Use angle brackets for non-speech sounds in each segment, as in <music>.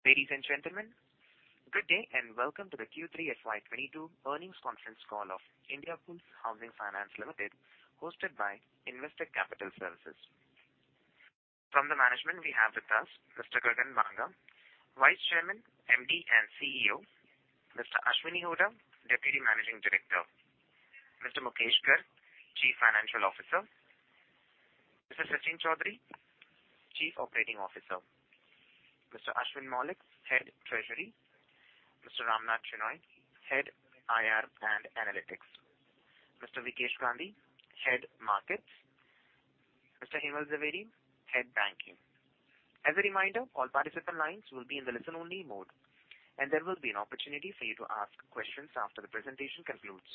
Ladies and gentlemen, good day and welcome to the Q3 FY 2022 earnings conference call of Indiabulls Housing Finance Limited, hosted by Investec Capital Services. From the management we have with us Mr. Gagan Banga, Vice Chairman, MD, and CEO; Mr. Ashwini Hooda, Deputy Managing Director; Mr. Mukesh Garg, Chief Financial Officer; Mr. Sachin Chaudhary, Chief Operating Officer; Mr. Ashwin Mallick, Head Treasury; Mr. Ramnath Shenoy, Head IR and Analytics; Mr. Veekesh Gandhi, Head Markets; Mr. Hemal Zaveri, Head Banking. As a reminder, all participant lines will be in the listen-only mode, and there will be an opportunity for you to ask questions after the presentation concludes.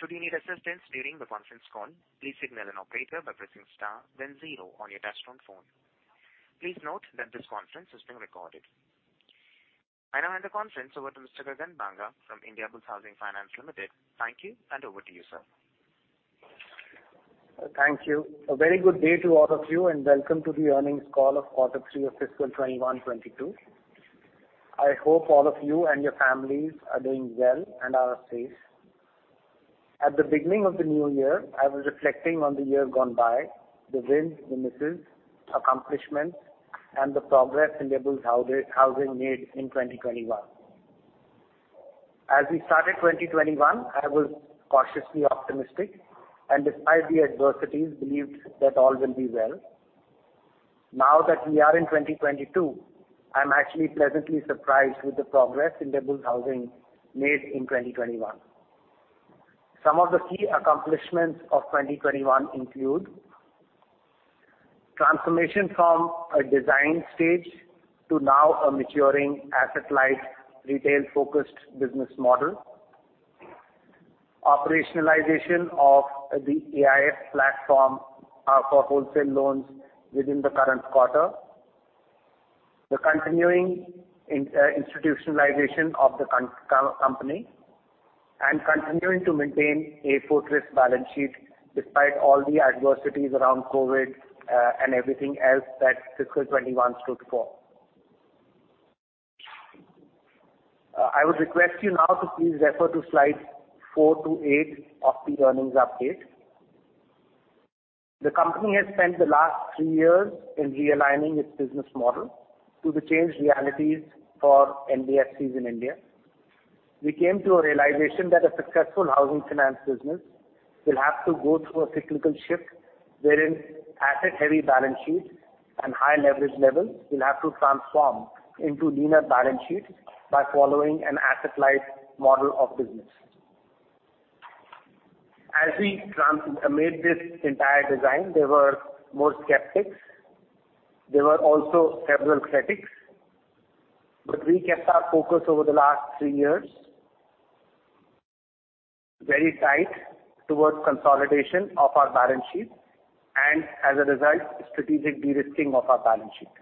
Should you need assistance during the conference call, please signal an operator by pressing star then zero on your touchtone phone. Please note that this conference is being recorded. I now hand the conference over to Mr. Gagan Banga from Indiabulls Housing Finance Limited. Thank you, and over to you, sir. Thank you. A very good day to all of you, and welcome to the earnings call of quarter three of fiscal 2021/2022. I hope all of you and your families are doing well and are safe. At the beginning of the new year, I was reflecting on the year gone by, the wins, the misses, accomplishments, and the progress Indiabulls Housing made in 2021. As we started 2021, I was cautiously optimistic and despite the adversities, believed that all will be well. Now that we are in 2022, I'm actually pleasantly surprised with the progress Indiabulls Housing made in 2021. Some of the key accomplishments of 2021 include transformation from a design stage to now a maturing asset-light, retail-focused business model. Operationalization of the AIF platform for wholesale loans within the current quarter. The continuing institutionalization of the company, and continuing to maintain a fortress balance sheet despite all the adversities around COVID, and everything else that fiscal 2021 stood for. I would request you now to please refer to slides four-eight of the earnings update. The company has spent the last three years in realigning its business model to the changed realities for NBFCs in India. We came to a realization that a successful housing finance business will have to go through a cyclical shift wherein asset-heavy balance sheets and high leverage levels will have to transform into leaner balance sheets by following an asset-light model of business. As we made this entire design, there were more skeptics. There were also several critics. We kept our focus over the last three years very tight towards consolidation of our balance sheet and as a result, strategic de-risking of our balance sheet.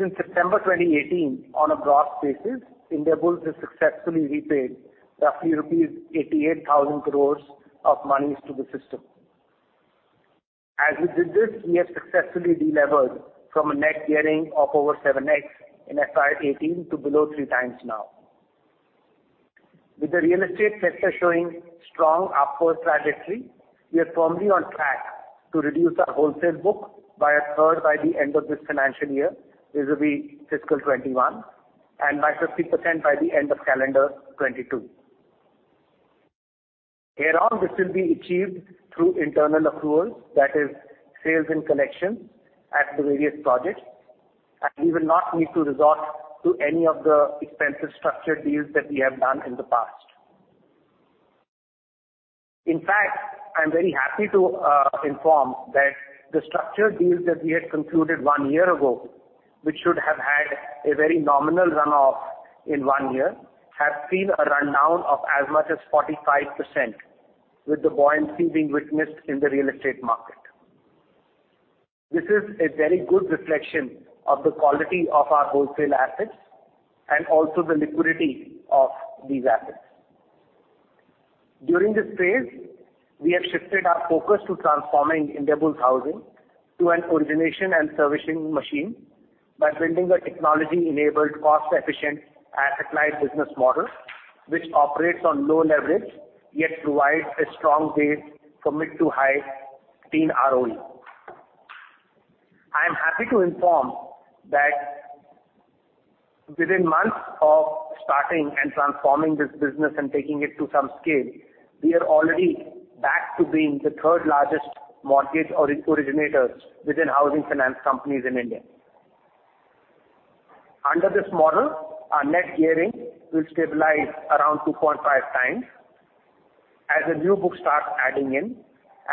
Since September 2018, on a gross basis, Indiabulls has successfully repaid roughly rupees 88,000 crores of monies to the system. As we did this, we have successfully de-levered from a net gearing of over 7x in FY 2018 to below three times now. With the real estate sector showing strong upward trajectory, we are firmly on track to reduce our wholesale book by a third by the end of this financial year, vis-a-vis fiscal 2021, and by 50% by the end of calendar 2022. Hereon, this will be achieved through internal accruals, that is sales and collections at various projects, and we will not need to resort to any of the expensive structured deals that we have done in the past. In fact, I'm very happy to inform that the structured deals that we had concluded one year ago, which should have had a very nominal runoff in one year, have seen a rundown of as much as 45% with the buoyancy being witnessed in the real estate market. This is a very good reflection of the quality of our wholesale assets and also the liquidity of these assets. During this phase, we have shifted our focus to transforming Indiabulls Housing to an origination and servicing machine by building a technology-enabled, cost-efficient, asset-light business model which operates on low leverage, yet provides a strong base, commit-to-high-teen ROE. I am happy to inform that within months of starting and transforming this business and taking it to some scale, we are already back to being the third largest mortgage originators within housing finance companies in India. Under this model, our net gearing will stabilize around 2.5x as the new book starts adding in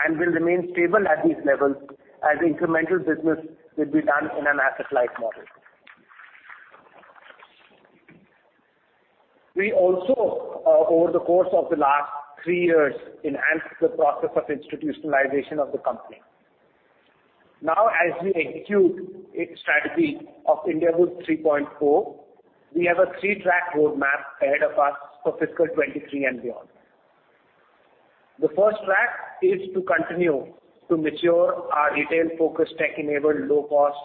and will remain stable at these levels as incremental business will be done in an asset-light model. We also, over the course of the last three years, enhanced the process of institutionalization of the company. Now as we execute its strategy of Indiabulls 3.0, we have a three-track roadmap ahead of us for fiscal 2023 and beyond. The first track is to continue to mature our retail-focused, tech-enabled, low-cost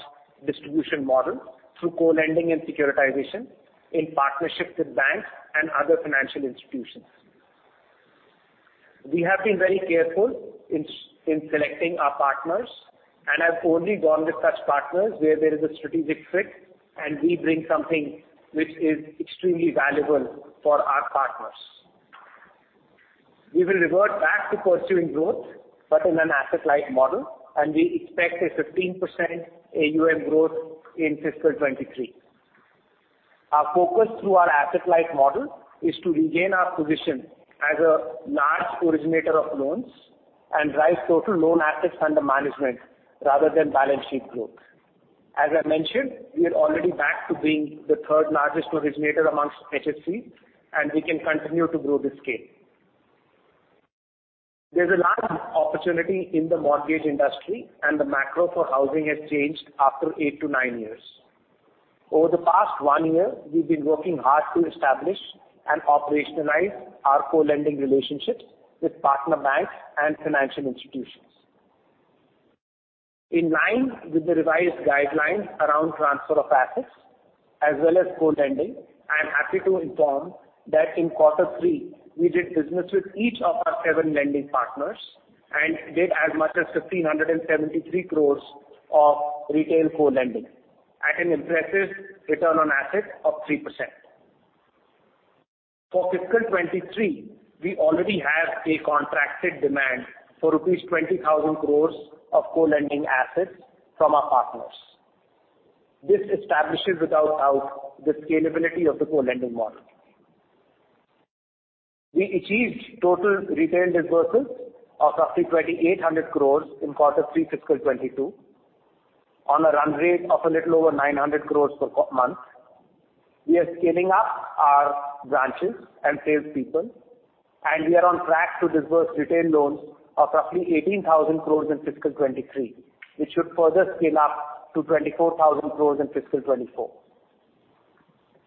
distribution model through co-lending and securitization in partnership with banks and other financial institutions. We have been very careful in selecting our partners and have only gone with such partners where there is a strategic fit and we bring something which is extremely valuable for our partners. We will revert back to pursuing growth, but in an asset-light model, and we expect a 15% AUM growth in FY 2023. Our focus through our asset-light model is to regain our position as a large originator of loans and drive total loan assets under management rather than balance sheet growth. As I mentioned, we are already back to being the third largest originator amongst HFCs, and we can continue to grow this scale. There's a large opportunity in the mortgage industry, and the macro for housing has changed after eight-nine years. Over the past one year, we've been working hard to establish and operationalize our co-lending relationships with partner banks and financial institutions. In line with the revised guidelines around transfer of assets as well as co-lending, I am happy to inform that in quarter three, we did business with each of our seven lending partners and did as much as 1,573 crores of retail co-lending at an impressive return on assets of 3%. For fiscal 2023, we already have a contracted demand for rupees 20,000 crore of co-lending assets from our partners. This establishes without doubt the scalability of the co-lending model. We achieved total retail disbursements of roughly 2,800 crore in quarter three fiscal 2022 on a run rate of a little over 900 crore per month. We are scaling up our branches and sales people, and we are on track to disburse retail loans of roughly 18,000 crore in FY 2023, which should further scale up to 24,000 crore in FY 2024.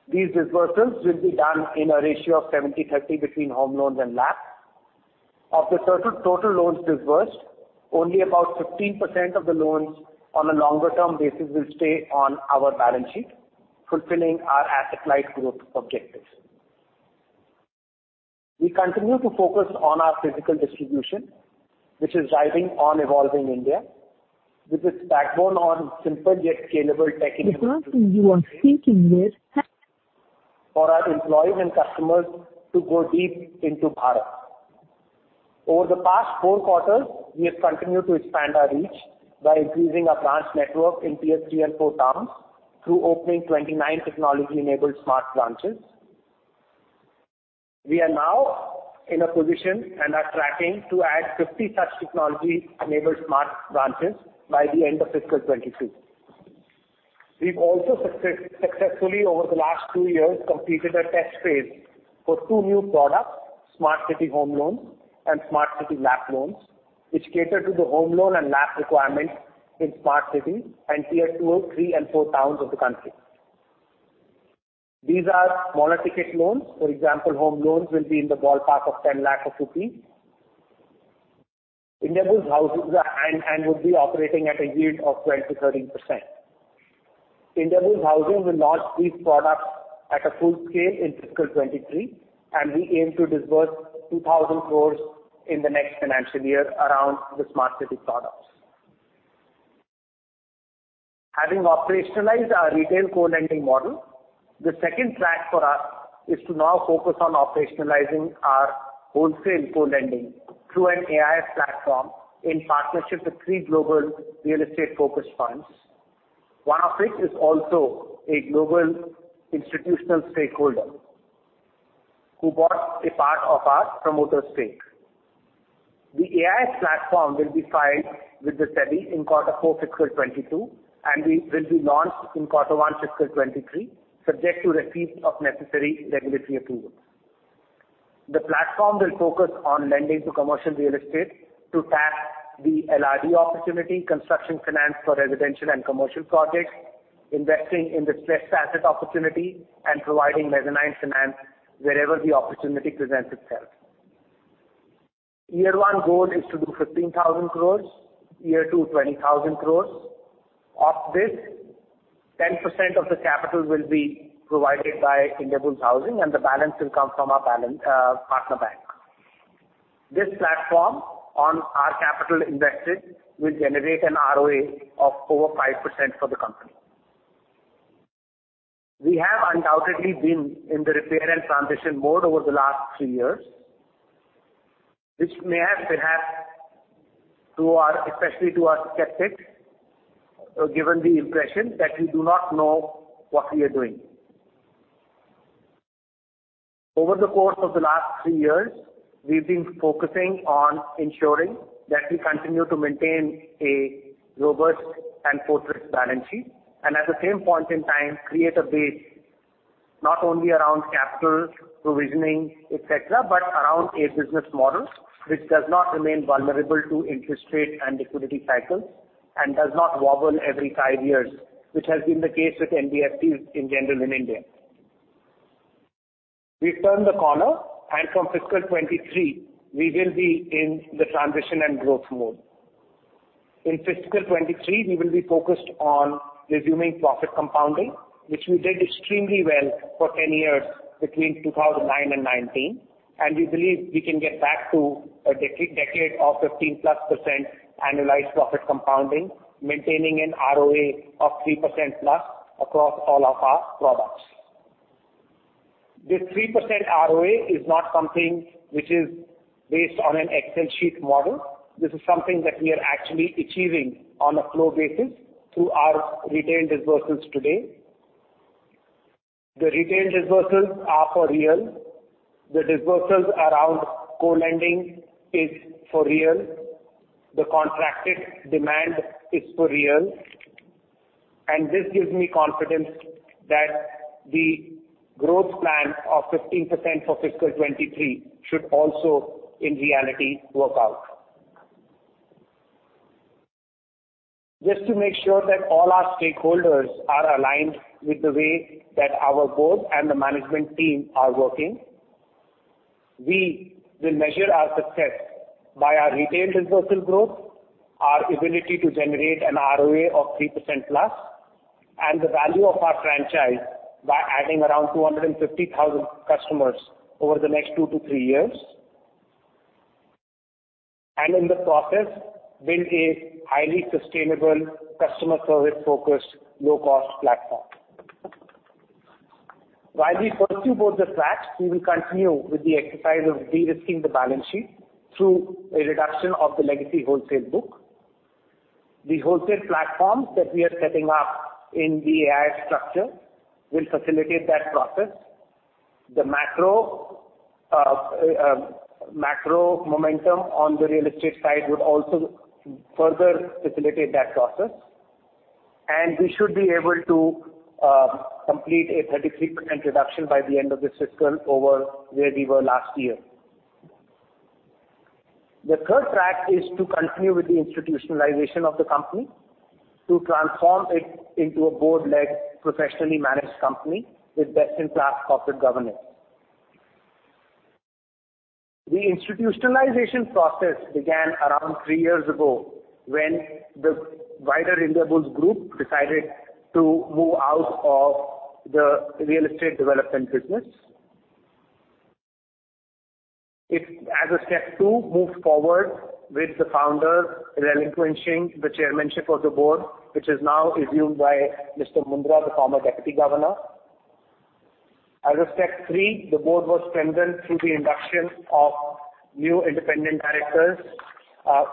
These disbursements will be done in a ratio of 70/30 between home loans and LAP. Of the total loans disbursed, only about 15% of the loans on a longer-term basis will stay on our balance sheet, fulfilling our asset-light growth objectives. We continue to focus on our physical distribution, which is driving an evolving India with its backbone on simple yet scalable tech-enabled solutions. For our employees and customers to go deep into. <audio distortion> Over the past four quarters, we have continued to expand our reach by increasing our branch network in tiers 3 and 4 towns through opening 29 technology-enabled smart branches. We are now in a position and are tracking to add 50 such technology-enabled smart branches by the end of fiscal 2023. We have also successfully over the last two years completed a test phase for two new products, Smart City home loans and Smart City LAP loans, which cater to the home loan and LAP requirements in smart cities and tier 2, 3, and 4 towns of the country. These are smaller ticket loans. For example, home loans will be in the ballpark of 10 lakh rupees. Indiabulls Housing would be operating at a yield of 12%-13%. Indiabulls Housing will launch these products at a full scale in fiscal 2023, and we aim to disburse 2,000 crore in the next financial year around the Smart City products. Having operationalized our retail co-lending model, the second track for us is to now focus on operationalizing our wholesale co-lending through an AIF platform in partnership with three global real-estate-focused funds, one of which is also a global institutional stakeholder who bought a part of our promoter stake. The AIF platform will be filed with the SEBI in quarter four fiscal 2022 and will be launched in quarter one fiscal 2023 subject to receipt of necessary regulatory approvals. The platform will focus on lending to commercial real estate to tap the LRD opportunity, construction finance for residential and commercial projects, investing in distressed asset opportunity and providing mezzanine finance wherever the opportunity presents itself. Year 1 goal is to do 15,000 crore. Year 2, 20,000 crore. Of this, 10% of the capital will be provided by Indiabulls Housing and the balance will come from our partner bank. This platform on our capital invested will generate an ROA of over 5% for the company. We have undoubtedly been in the repair and transition mode over the last three years, which may have perhaps, especially to our skeptics, given the impression that we do not know what we are doing. Over the course of the last three years, we've been focusing on ensuring that we continue to maintain a robust and fortress balance sheet and at the same point in time create a base not only around capital, provisioning, et cetera, but around a business model which does not remain vulnerable to interest rate and liquidity cycles and does not wobble every five years, which has been the case with NBFCs in general in India. We've turned the corner, and from fiscal 2023 we will be in the transition and growth mode. In fiscal 2023, we will be focused on resuming profit compounding, which we did extremely well for 10 years between 2009 and 2019. We believe we can get back to a decade of 15%+ annualized profit compounding, maintaining an ROA of 3%+ across all of our products. This 3% ROA is not something which is based on an Excel sheet model. This is something that we are actually achieving on a flow basis through our retail disbursements today. The retail disbursements are for real. The disbursements around co-lending is for real. The contracted demand is for real. This gives me confidence that the growth plan of 15% for FY 2023 should also, in reality, work out. Just to make sure that all our stakeholders are aligned with the way that our board and the management team are working, we will measure our success by our retail disbursal growth, our ability to generate an ROA of 3%+, and the value of our franchise by adding around 250,000 customers over the next two to three years. In the process, build a highly sustainable customer service-focused, low-cost platform. While we pursue both the tracks, we will continue with the exercise of de-risking the balance sheet through a reduction of the legacy wholesale book. The wholesale platforms that we are setting up in the AIF structure will facilitate that process. The macro momentum on the real estate side would also further facilitate that process, and we should be able to complete a 33% reduction by the end of this fiscal over where we were last year. The third track is to continue with the institutionalization of the company to transform it into a board-led, professionally managed company with best-in-class corporate governance. The institutionalization process began around three years ago when the wider Indiabulls Group decided to move out of the real estate development business. It, as a step two, moved forward with the founder relinquishing the chairmanship of the board, which is now assumed by Mr. Mundra, the former deputy governor. As a step three, the board was strengthened through the induction of new independent directors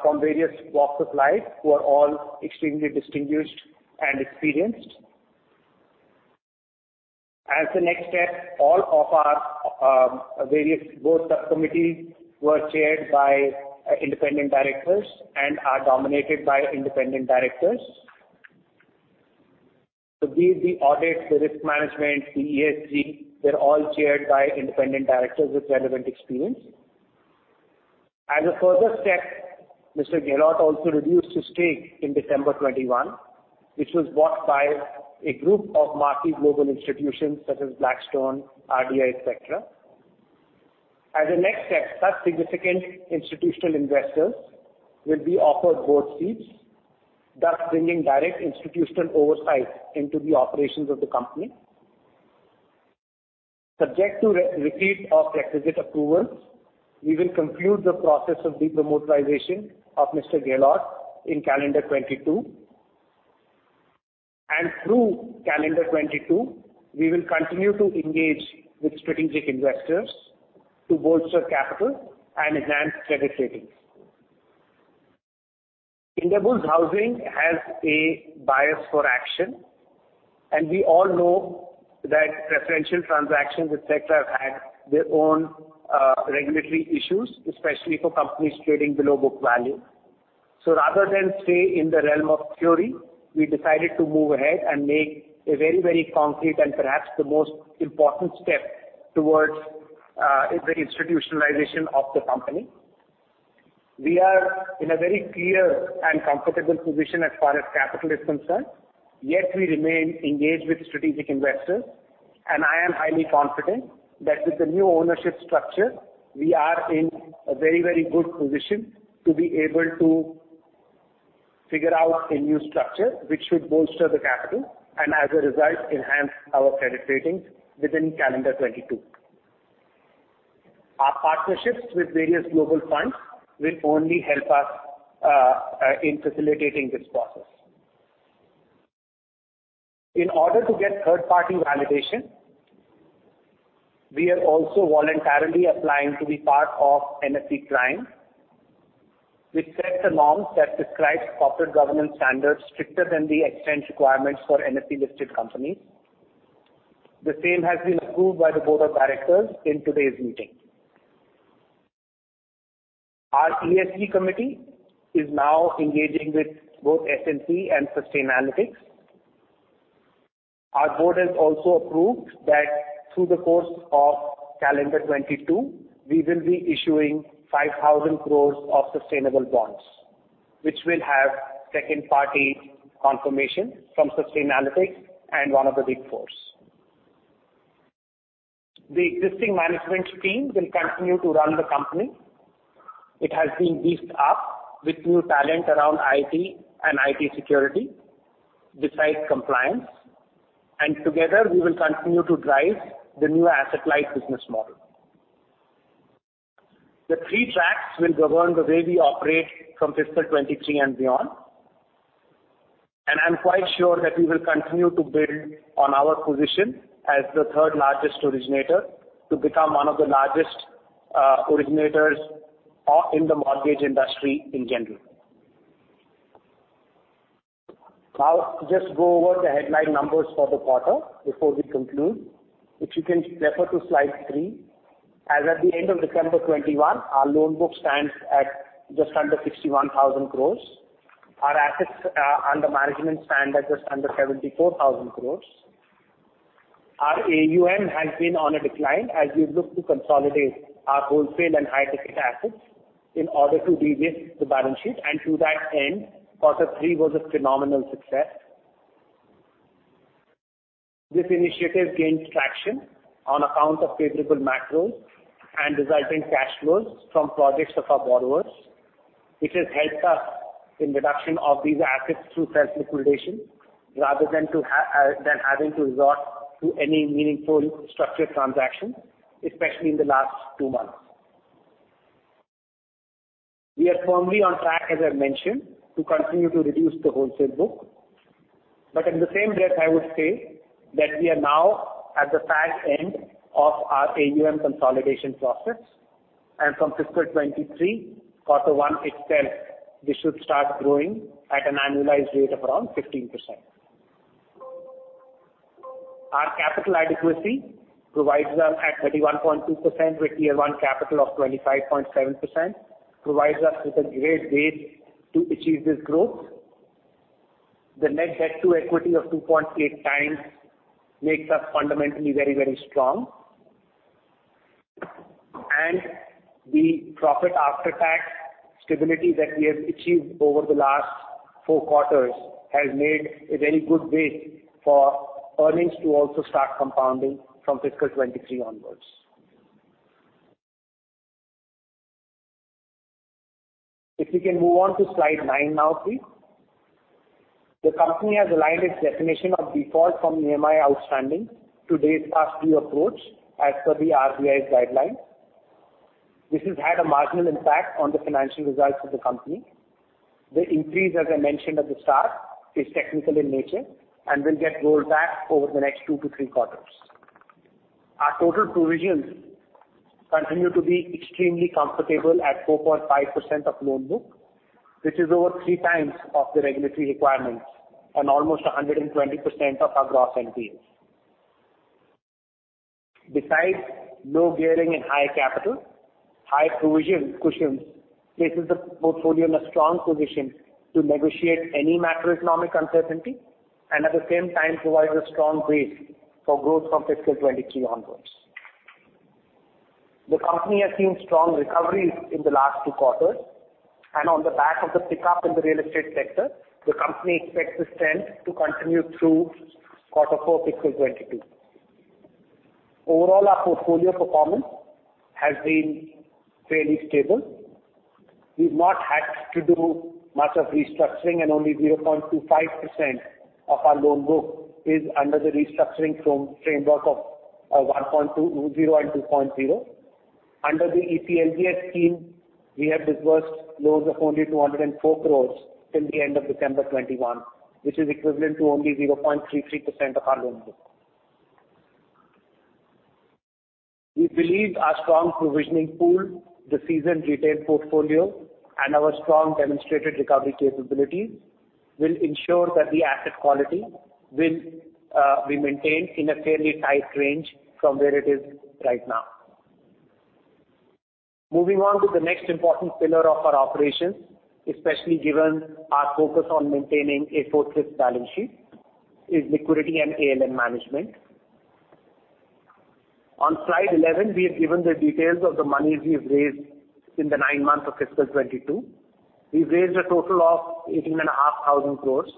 from various walks of life who are all extremely distinguished and experienced. As a next step, all of our various board committees were chaired by independent directors and are dominated by independent directors. So be it the audit, the risk management, the ESG, they're all chaired by independent directors with relevant experience. As a further step, Mr. Gehlaut also reduced his stake in December 2021, which was bought by a group of marquee global institutions such as Blackstone, ADIA, et cetera. As a next step, such significant institutional investors will be offered board seats, thus bringing direct institutional oversight into the operations of the company. Subject to receipt of requisite approvals, we will conclude the process of de-promoterization of Mr. Gehlaut in calendar 2022. Through calendar 2022, we will continue to engage with strategic investors to bolster capital and enhance credit ratings. Indiabulls Housing has a bias for action, and we all know that preferential transactions with sector have had their own, regulatory issues, especially for companies trading below book value. Rather than stay in the realm of theory, we decided to move ahead and make a very, very concrete, and perhaps the most important step towards, the institutionalization of the company. We are in a very clear and comfortable position as far as capital is concerned, yet we remain engaged with strategic investors. I am highly confident that with the new ownership structure, we are in a very, very good position to be able to figure out a new structure which should bolster the capital and as a result, enhance our credit ratings within calendar 2022. Our partnerships with various global funds will only help us in facilitating this process. In order to get third-party validation, we are also voluntarily applying to be part of NSE Prime, which sets the norms that describes corporate governance standards stricter than the exchange requirements for NSE-listed companies. The same has been approved by the board of directors in today's meeting. Our ESG committee is now engaging with both S&P and Sustainalytics. Our board has also approved that through the course of calendar 2022, we will be issuing 5,000 crore of sustainable bonds, which will have second party confirmation from Sustainalytics and one of the Big Fours. The existing management team will continue to run the company. It has been beefed up with new talent around IT and IT security, besides compliance, and together we will continue to drive the new asset-light business model. The three tracks will govern the way we operate from fiscal 2023 and beyond. I'm quite sure that we will continue to build on our position as the third-largest originator to become one of the largest originators in the mortgage industry in general. Now, just go over the headline numbers for the quarter before we conclude, if you can refer to slide three. As at the end of December 2021, our loan book stands at just under 61,000 crore. Our assets under management stand at just under 74,000 crore. Our AUM has been on a decline as we look to consolidate our wholesale and high-ticket assets in order to de-risk the balance sheet. To that end, quarter three was a phenomenal success. This initiative gains traction on account of favorable macros and resulting cash flows from projects of our borrowers, which has helped us in reduction of these assets through self-liquidation, rather than having to resort to any meaningful structured transaction, especially in the last two months. We are firmly on track, as I mentioned, to continue to reduce the wholesale book. In the same breath, I would say that we are now at the back end of our AUM consolidation process. From FY 2023, quarter one itself, we should start growing at an annualized rate of around 15%. Our capital adequacy provides us at 31.2% with tier one capital of 25.7%, provides us with a great base to achieve this growth. The net debt to equity of 2.8x makes us fundamentally very, very strong. The profit after tax stability that we have achieved over the last four quarters has made a very good base for earnings to also start compounding from FY 2023 onwards. If we can move on to slide nine now, please. The company has aligned its definition of default from EMI outstanding to days past due approach as per the RBI's guidelines. This has had a marginal impact on the financial results of the company. The increase, as I mentioned at the start, is technical in nature and will get rolled back over the next two-three quarters. Our total provisions continue to be extremely comfortable at 4.5% of loan book, which is over 3x of the regulatory requirements and almost 120% of our gross NPAs. Besides low gearing and high capital, high-provision cushions places the portfolio in a strong position to negotiate any macroeconomic uncertainty, and at the same time provides a strong base for growth from fiscal 2023 onwards. The company has seen strong recoveries in the last two quarters, and on the back of the pickup in the real estate sector, the company expects this trend to continue through quarter four, fiscal 2022. Overall, our portfolio performance has been fairly stable. We've not had to do much of restructuring and only 0.25% of our loan book is under the restructuring framework of 1.20 and 2.0. Under the ECLGS scheme, we have disbursed loans of only 204 crore till the end of December 2021, which is equivalent to only 0.33% of our loan book. We believe our strong provisioning pool, the seasoned retail portfolio, and our strong demonstrated recovery capabilities will ensure that the asset quality will be maintained in a fairly tight range from where it is right now. Moving on to the next important pillar of our operations, especially given our focus on maintaining a fortress balance sheet, is liquidity and ALM management. On slide 11, we have given the details of the monies we have raised in the nine months of fiscal 2022. We've raised a total of 18,500 crores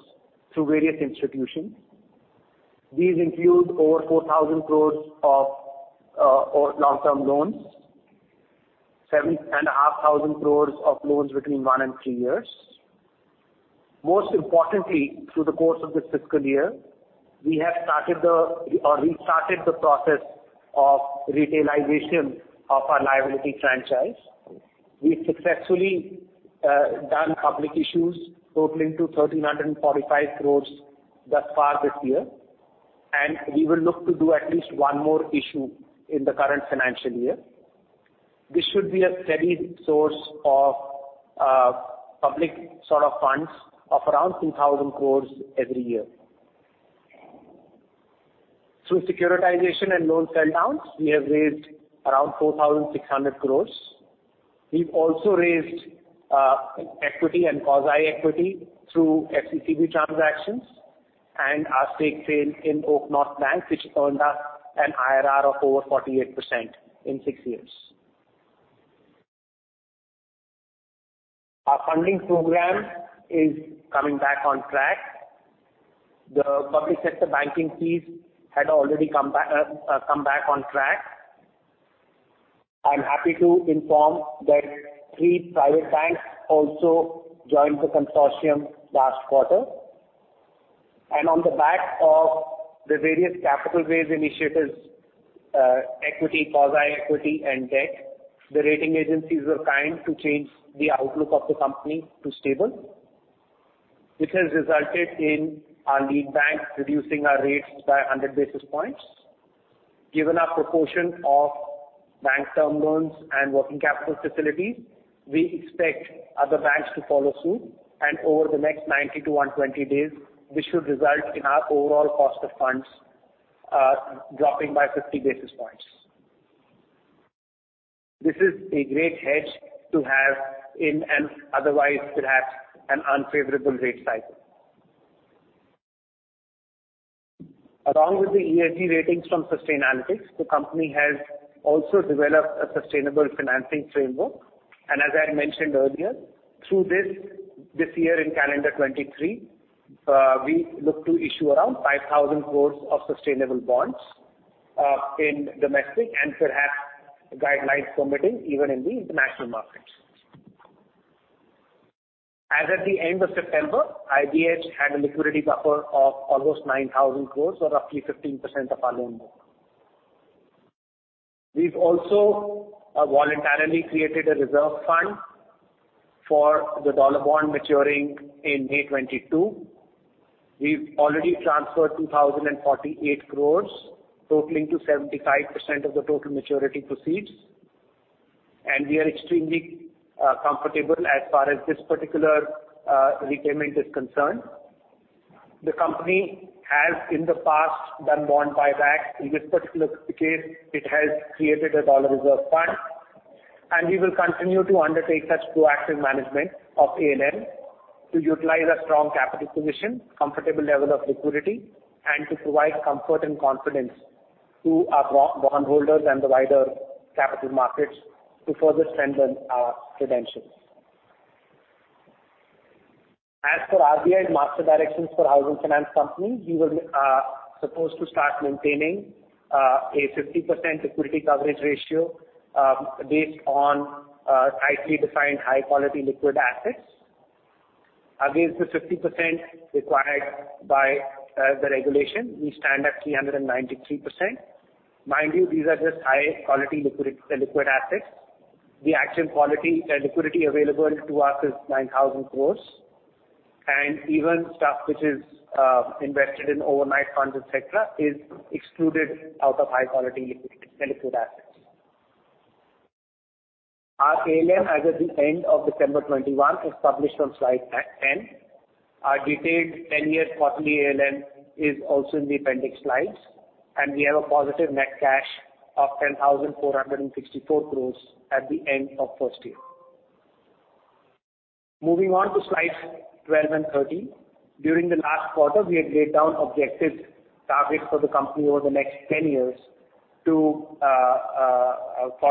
through various institutions. These include over 4,000 crores of over long-term loans, 7,500 crores of loans between one and three years. Most importantly, through the course of this fiscal year, we have restarted the process of retailization of our liability franchise. We've successfully done public issues totaling to 1,345 crores thus far this year, and we will look to do at least one more issue in the current financial year. This should be a steady source of public sort of funds of around 2,000 crores every year. Through securitization and loan sell downs, we have raised around 4,600 crores. We've also raised equity and quasi equity through FCCB transactions and our stake sale in OakNorth Bank, which earned us an IRR of over 48% in six years. Our funding program is coming back on track. The public sector banking fees had already come back on track. I'm happy to inform that three private banks also joined the consortium last quarter. On the back of the various capital raise initiatives, equity, quasi-equity and debt, the rating agencies were kind to change the outlook of the company to stable, which has resulted in our lead bank reducing our rates by 100 basis points. Given our proportion of bank term loans and working capital facilities, we expect other banks to follow suit, and over the next 90-120 days, this should result in our overall cost of funds dropping by 50 basis points. This is a great hedge to have in an otherwise perhaps an unfavorable rate cycle. Along with the ESG ratings from Sustainalytics, the company has also developed a sustainable financing framework. As I had mentioned earlier, through this year in calendar 2023, we look to issue around 5,000 crores of sustainable bonds in domestic and perhaps guidelines permitting even in the international markets. As at the end of September, IBH had a liquidity buffer of almost 9,000 crores or roughly 15% of our loan book. We've also voluntarily created a reserve fund for the dollar bond maturing in May 2022. We've already transferred 2,048 crore, totaling to 75% of the total maturity proceeds. We are extremely comfortable as far as this particular repayment is concerned. The company has in the past done bond buyback. In this particular case, it has created a dollar reserve fund, and we will continue to undertake such proactive management of ALM to utilize our strong capital position, comfortable level of liquidity, and to provide comfort and confidence to our bondholders and the wider capital markets to further strengthen our credentials. As for RBI's master directions for housing finance companies, we are supposed to start maintaining a 50% liquidity coverage ratio based on tightly defined high-quality liquid assets. Against the 50% required by the regulation, we stand at 393%. Mind you, these are just high-quality liquid assets. The actual liquidity available to us is 9,000 crore. Even stuff which is invested in overnight funds, et cetera, is excluded out of high-quality liquid assets. Our ALM as at the end of December 2021 is published on slide 10. Our detailed 10-year quarterly ALM is also in the appendix slides, and we have a positive net cash of 10,464 crore at the end of first year. Moving on to slides 12 and 13. During the last quarter, we had laid down objective targets for the company over the next 10 years to for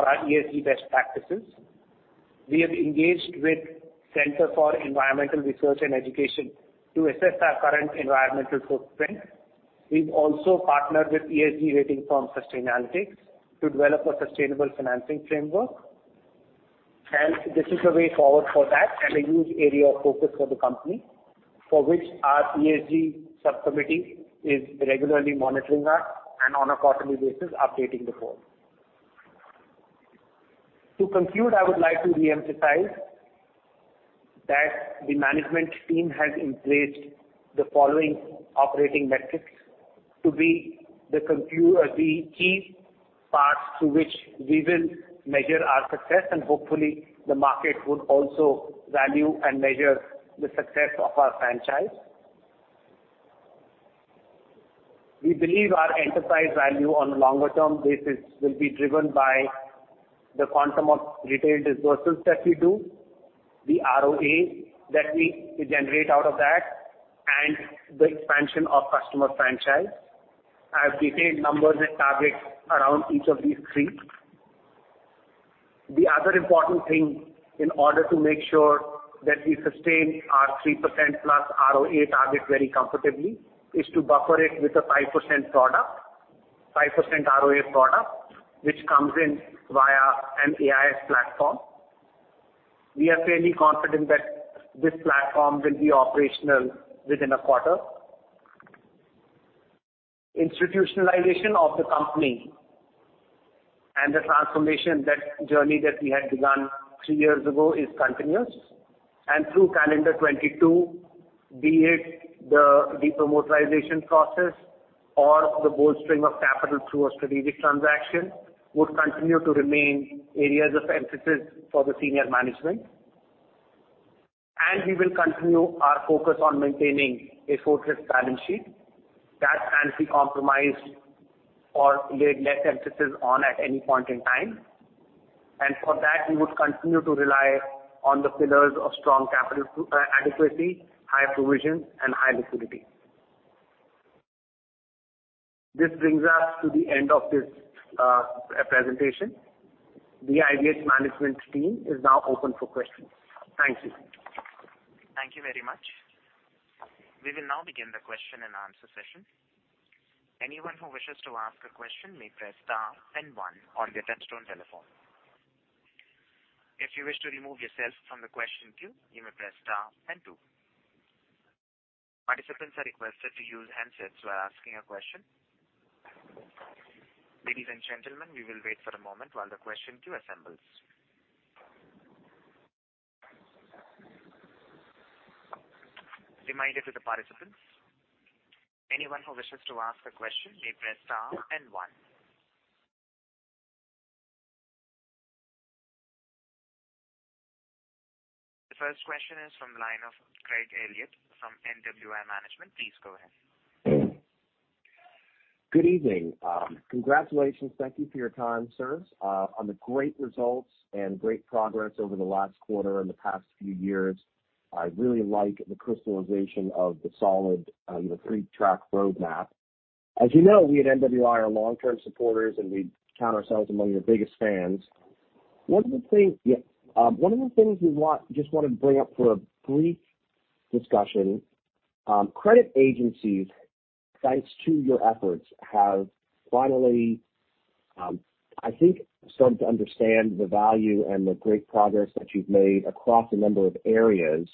our ESG best practices. We have engaged with Centre for Environmental Research and Education to assess our current environmental footprint. We've also partnered with ESG rating firm Sustainalytics to develop a sustainable financing framework. This is the way forward for that and a huge area of focus for the company, for which our ESG subcommittee is regularly monitoring us and on a quarterly basis, updating the board. To conclude, I would like to reemphasize that the management team has in place the following operating metrics to be the key parts to which we will measure our success and hopefully the market would also value and measure the success of our franchise. We believe our enterprise value on a longer-term basis will be driven by the quantum of retail disbursements that we do, the ROA that we generate out of that, and the expansion of customer franchise. I have detailed numbers and targets around each of these three. The other important thing in order to make sure that we sustain our 3%+ ROA target very comfortably is to buffer it with a 5% product, 5% ROA product, which comes in via an AIF platform. We are fairly confident that this platform will be operational within a quarter. Institutionalization of the company and the transformation that journey that we had begun three years ago is continuous. Through calendar 2022, be it the de-promotorization process or the bold stream of capital through a strategic transaction, would continue to remain areas of emphasis for the senior management. We will continue our focus on maintaining a fortress balance sheet. That can't be compromised or laid less emphasis on at any point in time. For that, we would continue to rely on the pillars of strong capital adequacy, high provisions and high liquidity. This brings us to the end of this presentation. The IBH management team is now open for questions. Thank you. Thank you very much. We will now begin the question-and-answer session. Anyone who wishes to ask a question may press star then one on your touch-tone telephone. If you wish to remove yourself from the question queue, you may press star and two. Participants are requested to use handsets while asking a question. Ladies and gentlemen, we will wait for a moment while the question queue assembles. Reminder to the participants. Anyone who wishes to ask a question, may press star and one. The first question is from the line of Craig Elliot from NWI Management. Please go ahead. Good evening. Congratulations. Thank you for your time, sirs, on the great results and great progress over the last quarter and the past few years. I really like the crystallization of the solid, you know, three-track roadmap. As you know, we at NWI are long-term supporters, and we count ourselves among your biggest fans. One of the things we just want to bring up for a brief discussion, credit agencies, thanks to your efforts, have finally, I think, started to understand the value and the great progress that you've made across a number of areas.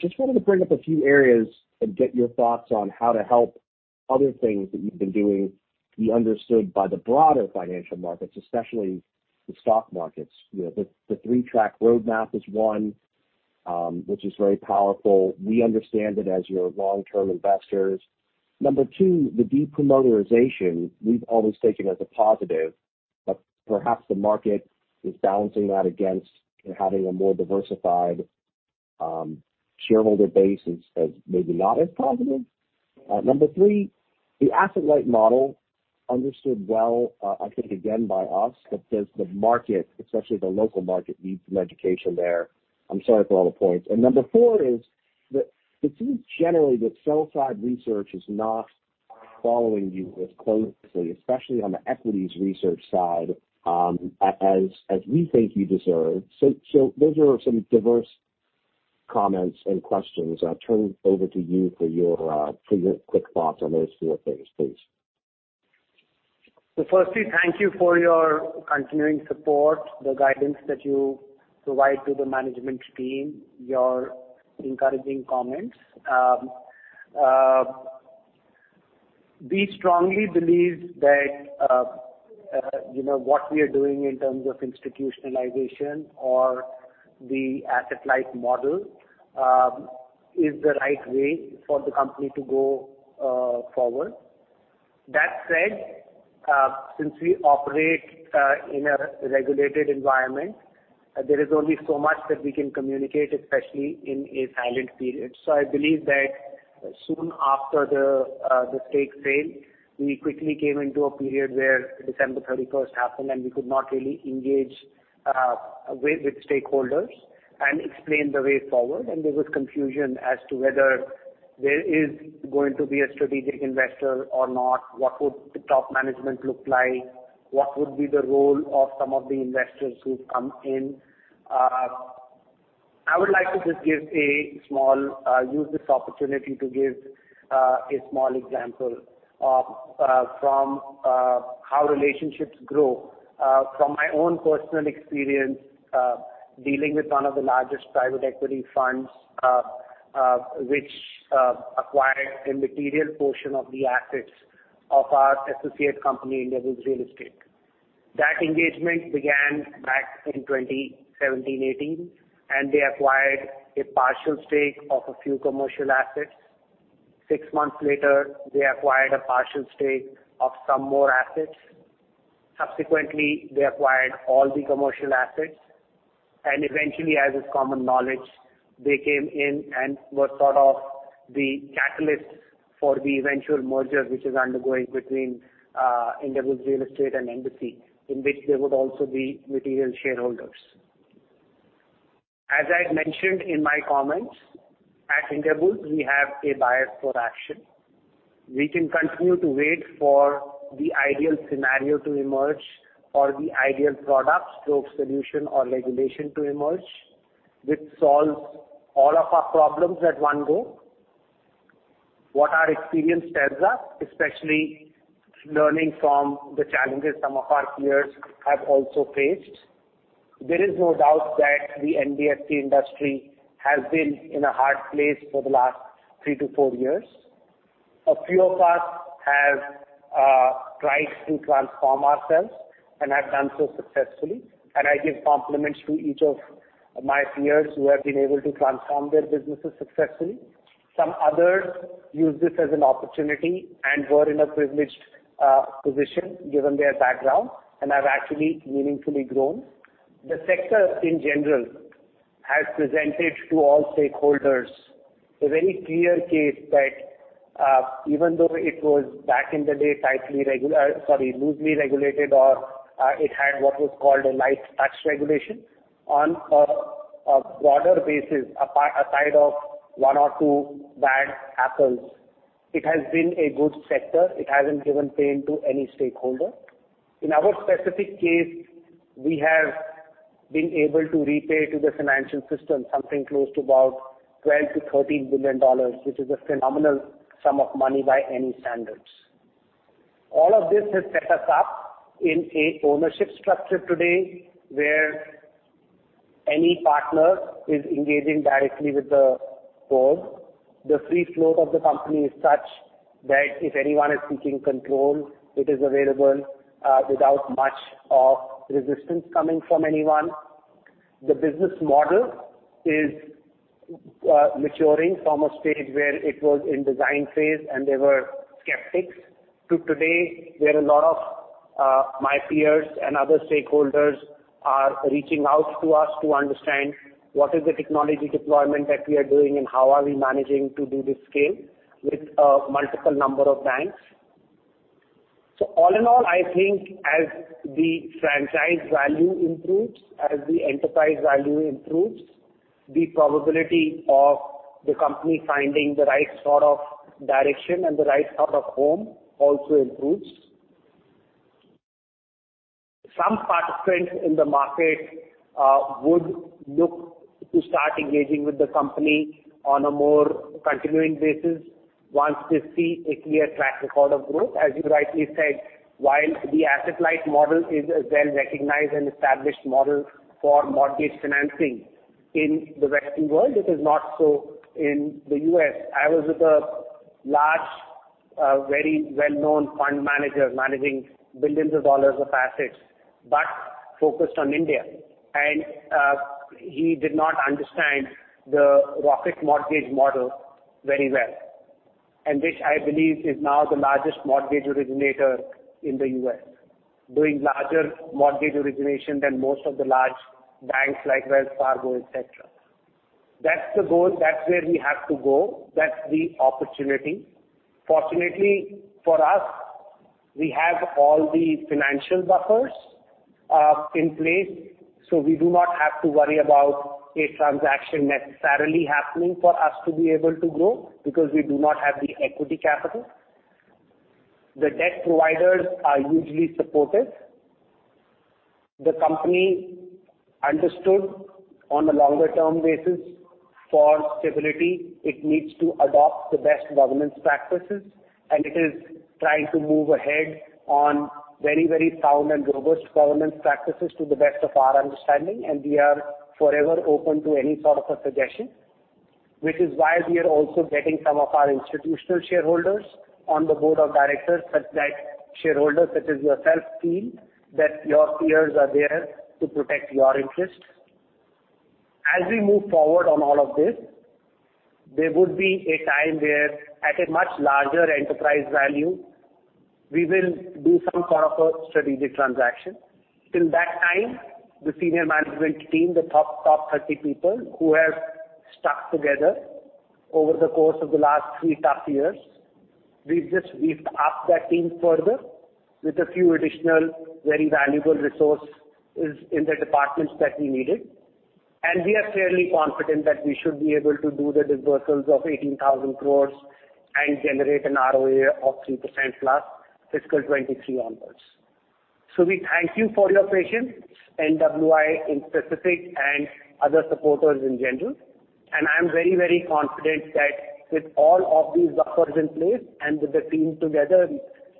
Just wanted to bring up a few areas and get your thoughts on how to help other things that you've been doing be understood by the broader financial markets, especially the stock markets. You know, the three-track roadmap is one which is very powerful. We understand it as your long-term investors. Number two, the de-promoterization, we've always taken as a positive, but perhaps the market is balancing that against having a more diversified shareholder base as maybe not as positive. Number three, the asset-light model understood well, I think, again, by us. But does the market, especially the local market, need some education there? I'm sorry for all the points. Number four is that it seems generally that sell side research is not following you as closely, especially on the equities research side, as we think you deserve. Those are some diverse comments and questions. I'll turn over to you for your quick thoughts on those four things, please. Firstly, thank you for your continuing support, the guidance that you provide to the management team, your encouraging comments. We strongly believe that, you know, what we are doing in terms of institutionalization or the asset-light model, is the right way for the company to go forward. That said, since we operate in a regulated environment, there is only so much that we can communicate, especially in a silent period. I believe that soon after the stake sale, we quickly came into a period where December 31st happened, and we could not really engage with stakeholders and explain the way forward. There was confusion as to whether there is going to be a strategic investor or not. What would the top management look like? What would be the role of some of the investors who've come in? I would like to just use this opportunity to give a small example of how relationships grow from my own personal experience dealing with one of the largest private equity funds, which acquired a material portion of the assets of our associate company, Indiabulls Real Estate. That engagement began back in 2017, 2018, and they acquired a partial stake of a few commercial assets. Six months later, they acquired a partial stake of some more assets. Subsequently, they acquired all the commercial assets. Eventually, as is common knowledge, they came in and were sort of the catalyst for the eventual merger which is undergoing between Indiabulls Real Estate and Embassy, in which they would also be material shareholders. As I'd mentioned in my comments, at Indiabulls we have a bias for action. We can continue to wait for the ideal scenario to emerge or the ideal product/solution or regulation to emerge, which solves all of our problems at one go. What our experience tells us, especially learning from the challenges some of our peers have also faced, there is no doubt that the NBFC industry has been in a hard place for the last three-four years. A few of us have tried to transform ourselves and have done so successfully. I give compliments to each of my peers who have been able to transform their businesses successfully. Some others used this as an opportunity and were in a privileged position given their background and have actually meaningfully grown. The sector in general has presented to all stakeholders a very clear case that, even though it was back in the day, loosely regulated or, it had what was called a light touch regulation. On a broader basis, aside from one or two bad apples, it has been a good sector. It hasn't given pain to any stakeholder. In our specific case, we have been able to repay to the financial system something close to about $12 billion-$13 billion, which is a phenomenal sum of money by any standards. All of this has set us up in an ownership structure today where any partner is engaging directly with the board. The free flow of the company is such that if anyone is seeking control, it is available, without much of resistance coming from anyone. The business model is maturing from a stage where it was in design phase and there were skeptics, to today, where a lot of my peers and other stakeholders are reaching out to us to understand what is the technology deployment that we are doing and how are we managing to do this scale with a multiple number of banks. All in all, I think as the franchise value improves, as the enterprise value improves, the probability of the company finding the right sort of direction and the right sort of home also improves. Some participants in the market would look to start engaging with the company on a more continuing basis once they see a clear track record of growth. As you rightly said, while the asset-light model is a well-recognized and established model for mortgage financing in the Western world, it is not so in the U.S. I was with a large, very well-known fund manager managing billions of dollars of assets, but focused on India, and he did not understand the Rocket Mortgage model very well, and which I believe is now the largest mortgage originator in the U.S., doing larger mortgage origination than most of the large banks like Wells Fargo, et cetera. That's the goal. That's where we have to go. That's the opportunity. Fortunately, for us, we have all the financial buffers in place, so we do not have to worry about a transaction necessarily happening for us to be able to grow because we do not have the equity capital. The debt providers are hugely supportive. The company understood on a longer-term basis for stability, it needs to adopt the best governance practices, and it is trying to move ahead on very, very sound and robust governance practices to the best of our understanding. We are forever open to any sort of a suggestion, which is why we are also getting some of our institutional shareholders on the board of directors, such like shareholders such as yourself, team, that your peers are there to protect your interest. As we move forward on all of this, there would be a time where at a much larger enterprise value, we will do some sort of a strategic transaction. Till that time, the senior management team, the top 30 people who have stuck together over the course of the last three tough years, We've upped that team further with a few additional very valuable resources in the departments that we needed, and we are fairly confident that we should be able to do the dispersals of 18,000 crore and generate an ROE of 3%+ fiscal 2023 onwards. We thank you for your patience, NWI in specific and other supporters in general, and I am very confident that with all of these buffers in place and with the team together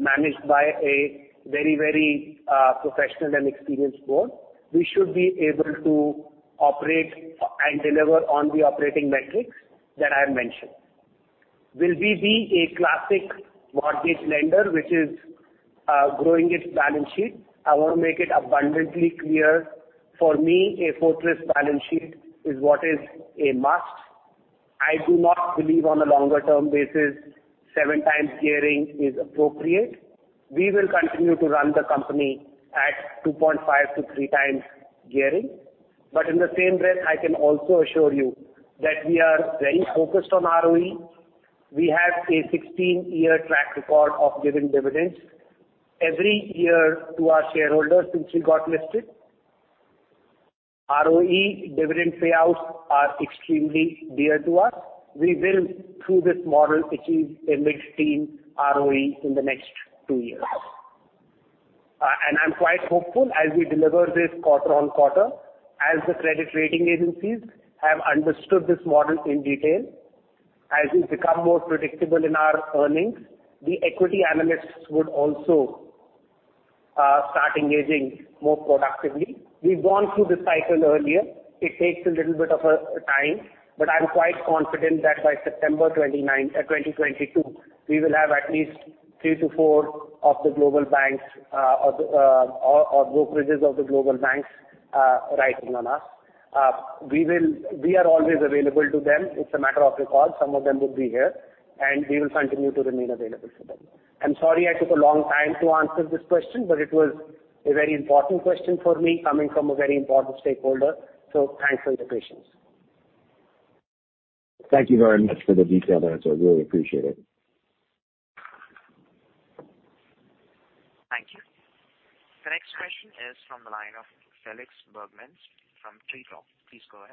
managed by a very professional and experienced board, we should be able to operate and deliver on the operating metrics that I have mentioned. Will we be a classic mortgage lender which is growing its balance sheet? I want to make it abundantly clear, for me, a fortress balance sheet is what is a must. I do not believe on a longer-term basis, 7x gearing is appropriate. We will continue to run the company at 2.5-3x gearing. In the same breath, I can also assure you that we are very focused on ROE. We have a 16-year track record of giving dividends every year to our shareholders since we got listed. ROE dividend payouts are extremely dear to us. We will, through this model, achieve a mid-teen ROE in the next two years. I'm quite hopeful as we deliver this quarter-on-quarter, as the credit rating agencies have understood this model in detail, as we become more predictable in our earnings, the equity analysts would also start engaging more productively. We've gone through this cycle earlier. It takes a little bit of a time, but I'm quite confident that by September 29, 2022, we will have at least three-four of the global banks or the brokerages of the global banks writing on us. We are always available to them. It's a matter of recall. Some of them would be here, and we will continue to remain available to them. I'm sorry I took a long time to answer this question, but it was a very important question for me coming from a very important stakeholder, so thanks for your patience. Thank you very much for the detailed answer. I really appreciate it. Thank you. The next question is from the line of Felix Berghmans from TreeTop. Please go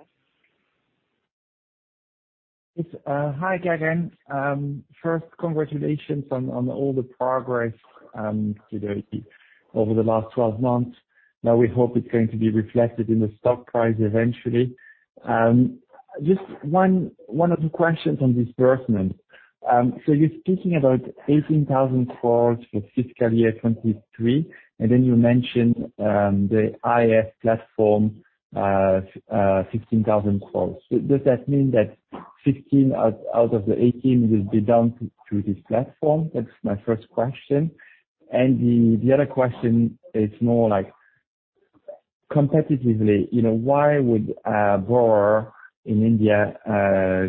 ahead. Hi, Gagan. First, congratulations on all the progress over the last 12 months. Now we hope it's going to be reflected in the stock price eventually. Just one other question on disbursement. So you're speaking about 18,000 crore for FY 2023, and then you mentioned the AIF platform, 15,000 crore. So does that mean that 15,000 crore out of the 18,000 crore will be done through this platform? That's my first question. The other question is more like competitively, you know, why would a borrower in India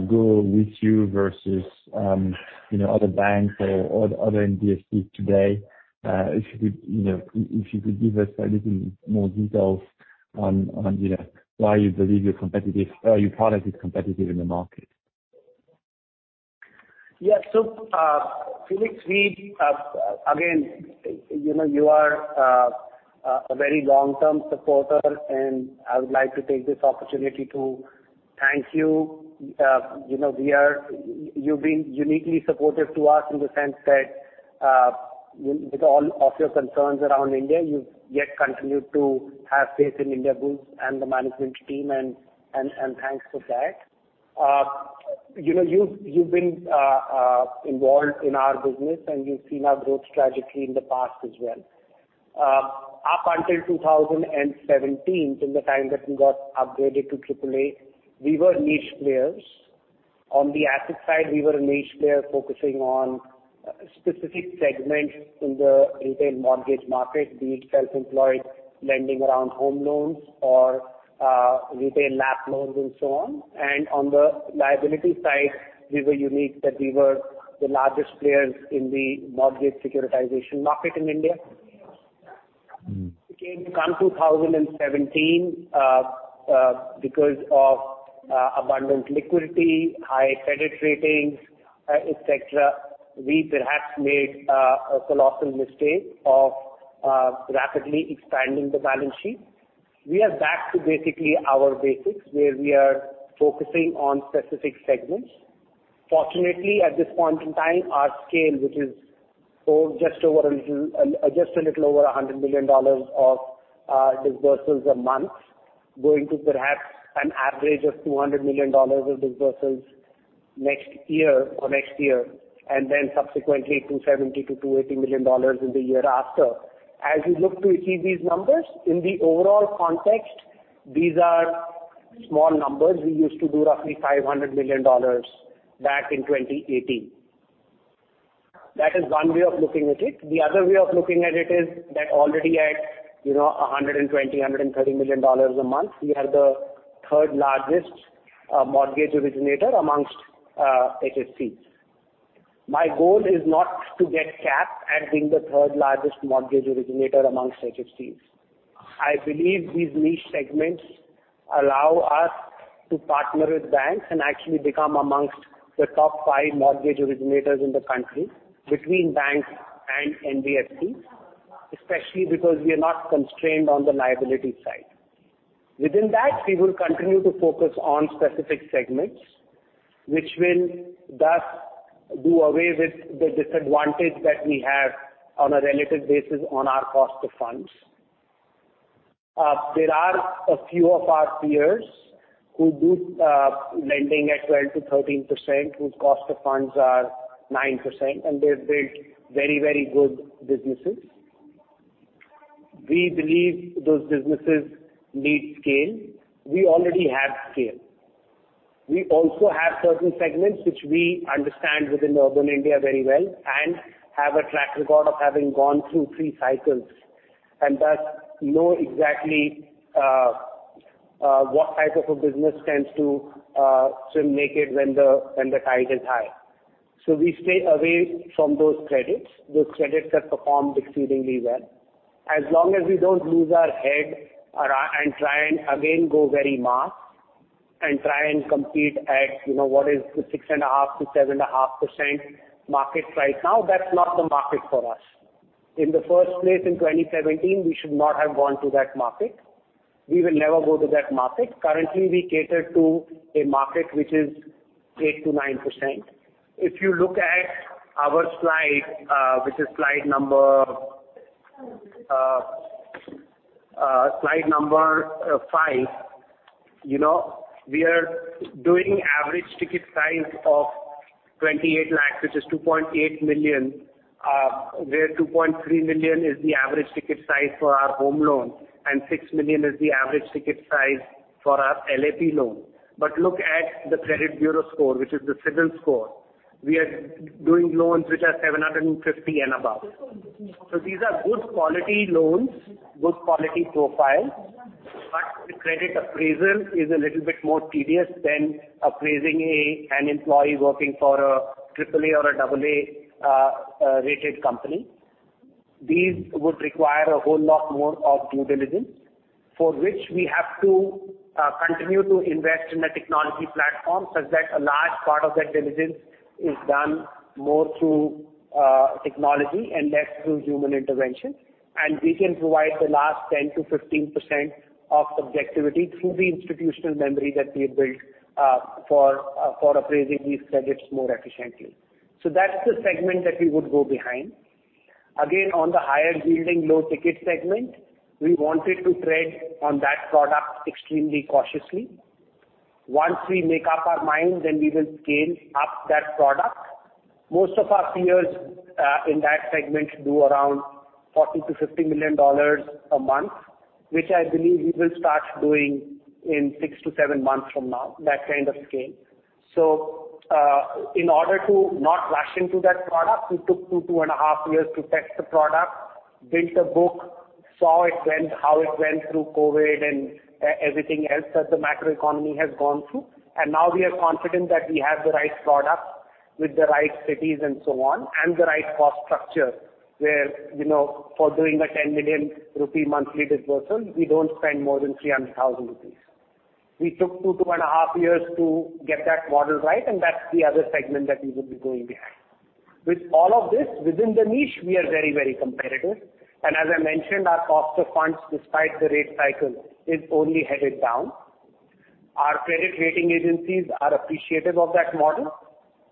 go with you versus, you know, other banks or other NBFCs today? If you could, you know, if you could give us a little more details on, you know, why you believe you're competitive or your product is competitive in the market. Yeah. Felix, again, you know, you are a very long-term supporter, and I would like to take this opportunity to thank you. You know, you've been uniquely supportive to us in the sense that, with all of your concerns around India, you've yet continued to have faith in Indiabulls and the management team and thanks for that. You know, you've been involved in our business, and you've seen our growth strategy in the past as well. Up until 2017, from the time that we got upgraded to AAA, we were niche players. On the asset side, we were a niche player focusing on specific segments in the retail mortgage market, be it self-employed lending around home loans or retail LAP loans and so on. On the liability side, we were unique that we were the largest players in the mortgage securitization market in India. Mm-hmm. In 2017, because of abundant liquidity, high credit ratings, etc., we perhaps made a colossal mistake of rapidly expanding the balance sheet. We are back to basically our basics, where we are focusing on specific segments. Fortunately, at this point in time, our scale, which is just a little over $100 million of disbursements a month, going to perhaps an average of $200 million of disbursements next year, and then subsequently $270 million-$280 million in the year after. As we look to achieve these numbers in the overall context, these are small numbers. We used to do roughly $500 million back in 2018. That is one way of looking at it. The other way of looking at it is that already at, you know, $120 million-$130 million a month, we are the third-largest mortgage originator amongst HFCs. My goal is not to get capped as being the third-largest mortgage originator amongst HFCs. I believe these niche segments allow us to partner with banks and actually become amongst the top five mortgage originators in the country between banks and NBFCs, especially because we are not constrained on the liability side. Within that, we will continue to focus on specific segments, which will thus do away with the disadvantage that we have on a relative basis on our cost of funds. There are a few of our peers who do lending at 12%-13%, whose cost of funds are 9%, and they've built very, very good businesses. We believe those businesses need scale. We already have scale. We also have certain segments which we understand within urban India very well and have a track record of having gone through three cycles and thus know exactly what type of a business tends to swim naked when the tide is high. We stay away from those credits. Those credits have performed exceedingly well. As long as we don't lose our head around and try and again go very mass and try and compete at, you know, what is the 6.5%-7.5% market right now, that's not the market for us. In the first place, in 2017, we should not have gone to that market. We will never go to that market. Currently, we cater to a market which is 8%-9%. If you look at our slide, which is slide number 5, you know, we are doing average ticket size of 28 lakhs, which is 2.8 million, where 2.3 million is the average ticket size for our home loan, and 6 million is the average ticket size for our LAP loan. Look at the credit bureau score, which is the CIBIL score. We are doing loans which are 750 and above. These are good quality loans, good quality profiles. The credit appraisal is a little bit more tedious than appraising an employee working for a AAA or a AA-rated company. These would require a whole lot more of due diligence, for which we have to continue to invest in the technology platform such that a large part of that diligence is done more through technology and less through human intervention. We can provide the last 10%-15% of subjectivity through the institutional memory that we have built for appraising these credits more efficiently. That's the segment that we would go behind. Again, on the higher yielding low ticket segment, we wanted to tread on that product extremely cautiously. Once we make up our minds, then we will scale up that product. Most of our peers in that segment do around $40 million-$50 million a month, which I believe we will start doing in six-seven months from now, that kind of scale. In order to not rush into that product, we took 2-1/2 years to test the product, built a book, saw how it went through COVID and everything else that the macro economy has gone through. Now we are confident that we have the right product with the right cities and so on, and the right cost structure where, you know, for doing an 10 million rupee monthly disbursal, we don't spend more than 300,000 rupees. We took two and a half years to get that model right, and that's the other segment that we would be going behind. With all of this, within the niche, we are very, very competitive. As I mentioned, our cost of funds, despite the rate cycle, is only headed down. Our credit rating agencies are appreciative of that model.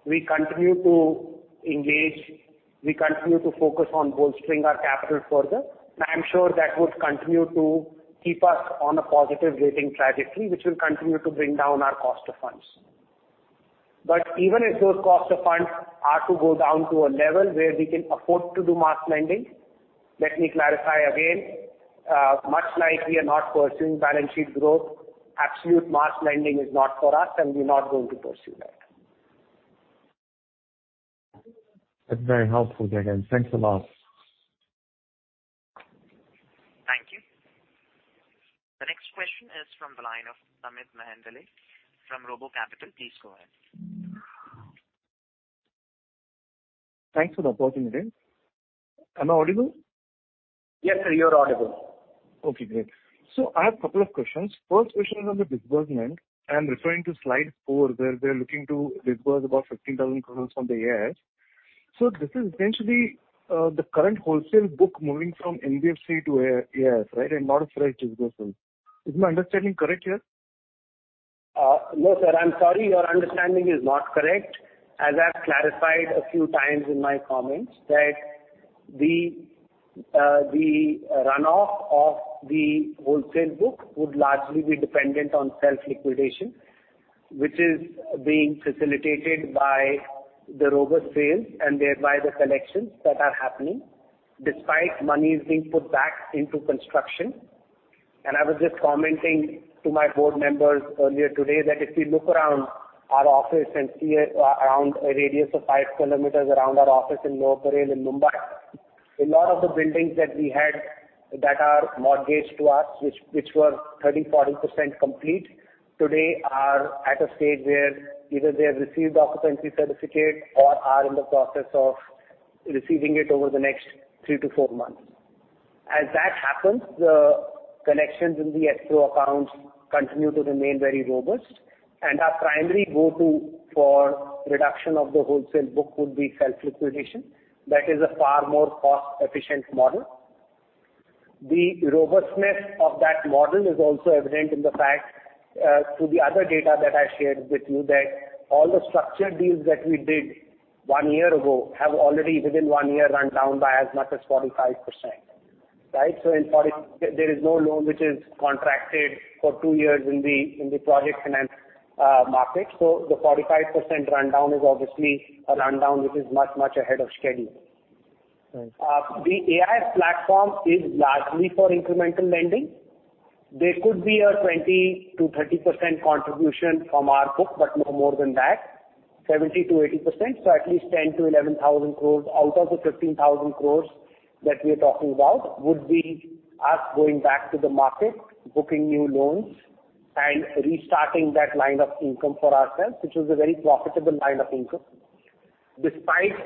We continue to engage. We continue to focus on bolstering our capital further. I am sure that would continue to keep us on a positive rating trajectory, which will continue to bring down our cost of funds. Even if those cost of funds are to go down to a level where we can afford to do mass lending, let me clarify again, much like we are not pursuing balance sheet growth, absolute mass lending is not for us and we're not going to pursue that. That's very helpful, Gagan. Thanks a lot. Thank you. The next question is from the line of Amit Mehendale from RoboCapital. Please go ahead. Thanks for the opportunity. Am I audible? Yes, sir, you are audible. Okay, great. I have a couple of questions. First question is on the disbursement. I'm referring to slide four, where they're looking to disburse about 15,000 crore from the AIF. This is essentially the current wholesale book moving from NBFC to AIF, right? not a fresh disbursement. Is my understanding correct here? No, sir. I'm sorry, your understanding is not correct. As I've clarified a few times in my comments, the runoff of the wholesale book would largely be dependent on self-liquidation, which is being facilitated by the robust sales and thereby the collections that are happening despite monies being put back into construction. I was just commenting to my board members earlier today that if we look around our office and see around a radius of 5 km around our office in Lower Parel in Mumbai, a lot of the buildings that we had that are mortgaged to us, which were 30%-40% complete today are at a stage where either they have received occupancy certificate or are in the process of receiving it over the next three-four months. As that happens, the collections in the escrow accounts continue to remain very robust, and our primary go-to for reduction of the wholesale book would be self-liquidation. That is a far more cost-efficient model. The robustness of that model is also evident in the fact through the other data that I shared with you, that all the structured deals that we did one year ago have already within one year rundown by as much as 45%, right? There is no loan which is contracted for two years in the project finance market. So the 45% rundown is obviously a rundown which is much, much ahead of schedule. Thanks. The AIF platform is largely for incremental lending. There could be a 20%-30% contribution from our book, but no more than that. 70%-80%, so at least 10,000-11,000 crores out of the 15,000 crores that we are talking about would be us going back to the market, booking new loans and restarting that line of income for ourselves, which was a very profitable line of income. Despite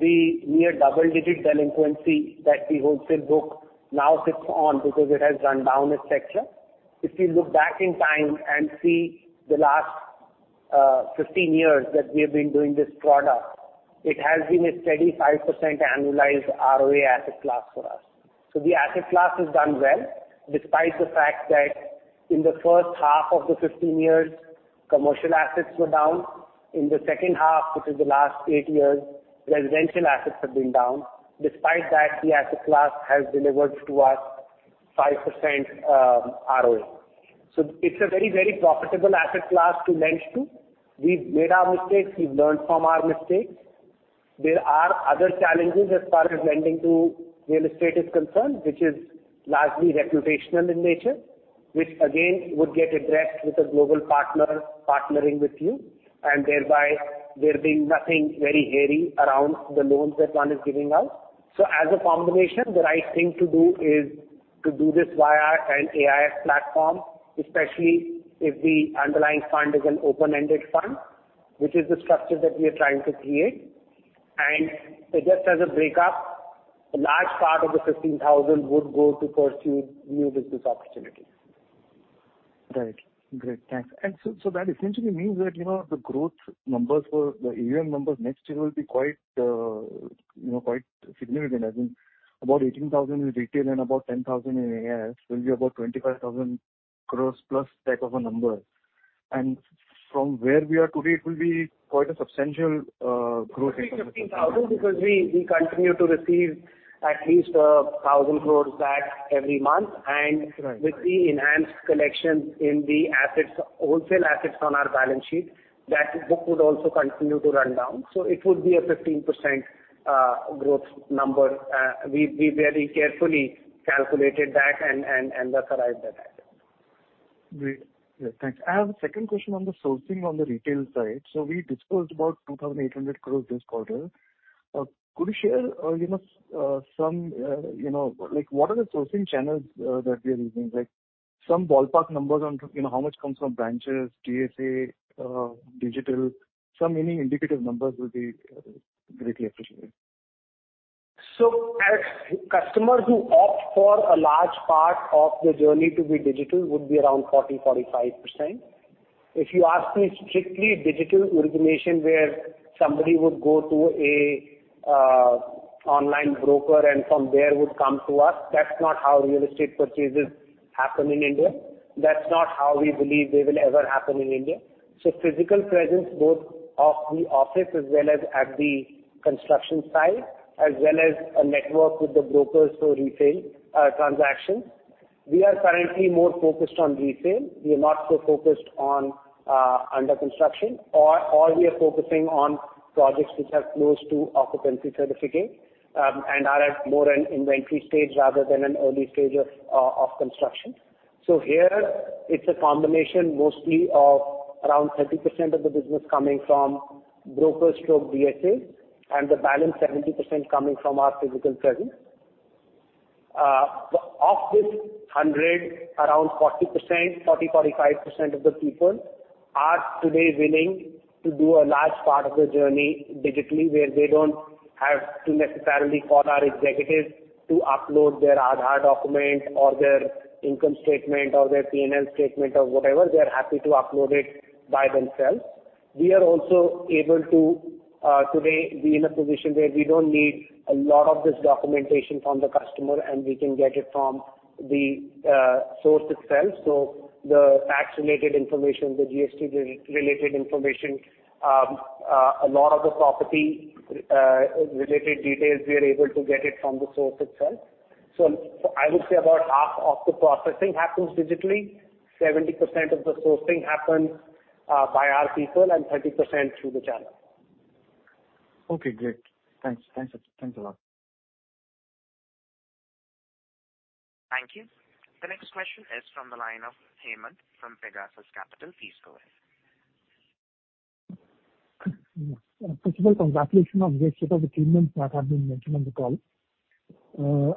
the near double-digit delinquency that the wholesale book now sits on because it has run down a section, if you look back in time and see the last 15 years that we have been doing this product, it has been a steady 5% annualized ROA asset class for us. The asset class has done well, despite the fact that in the first half of the 15 years, commercial assets were down. In the second half, which is the last eight years, residential assets have been down. Despite that, the asset class has delivered to us 5%, ROA. It's a very, very profitable asset class to lend to. We've made our mistakes. We've learned from our mistakes. There are other challenges as far as lending to real estate is concerned, which is largely reputational in nature, which again, would get addressed with a global partner partnering with you and thereby there being nothing very hairy around the loans that one is giving out. As a combination, the right thing to do is to do this via an AIF platform, especially if the underlying fund is an open-ended fund, which is the structure that we are trying to create. Just as a breakup, a large part of the 15,000 would go to pursue new business opportunities. Right. Great. Thanks. That essentially means that, you know, the growth numbers for the AUM numbers next year will be quite, you know, quite significant. As in about 18,000 crores in retail and about 10,000 crores in AIF will be about 25,000 crores plus type of a number. From where we are today, it will be quite a substantial growth. 15,000 because we continue to receive at least 1,000 crore back every month. Right. With the enhanced collections in the assets, wholesale assets on our balance sheet, that book would also continue to run down. It would be a 15% growth number. We very carefully calculated that and thus arrived at that. Great. Yeah. Thanks. I have a second question on the sourcing on the retail side. We disclosed about 2,800 crore this quarter. Could you share you know some you know like what are the sourcing channels that we are using? Like some ballpark numbers on you know how much comes from branches, DSA, digital. Any indicative numbers would be greatly appreciated. As customers who opt for a large part of the journey to be digital would be around 40%-45%. If you ask me strictly digital origination, where somebody would go to a online broker and from there would come to us, that's not how real estate purchases happen in India. That's not how we believe they will ever happen in India. Physical presence, both of the office as well as at the construction site, as well as a network with the brokers for retail transactions. We are currently more focused on retail. We are not so focused on under construction or we are focusing on projects which are close to occupancy certificate and are at more an inventory stage rather than an early stage of construction. Here it's a combination mostly of around 30% of the business coming from broker/DSA and the balance 70% coming from our physical presence. Of this 100%, around 40%-45% of the people are today willing to do a large part of the journey digitally, where they don't have to necessarily call our executives to upload their Aadhaar document or their income statement or their P&L statement or whatever. They're happy to upload it by themselves. We are also able to today be in a position where we don't need a lot of this documentation from the customer, and we can get it from the source itself. The tax-related information, the GST-related information, a lot of the property-related details, we are able to get it from the source itself. I would say about half of the processing happens digitally. 70% of the sourcing happens by our people and 30% through the channel. Okay, great. Thanks a lot. Thank you. The next question is from the line of Hemant from Pegasus Capital. Please go ahead. First of all, congratulations on the set of achievements that have been mentioned on the call.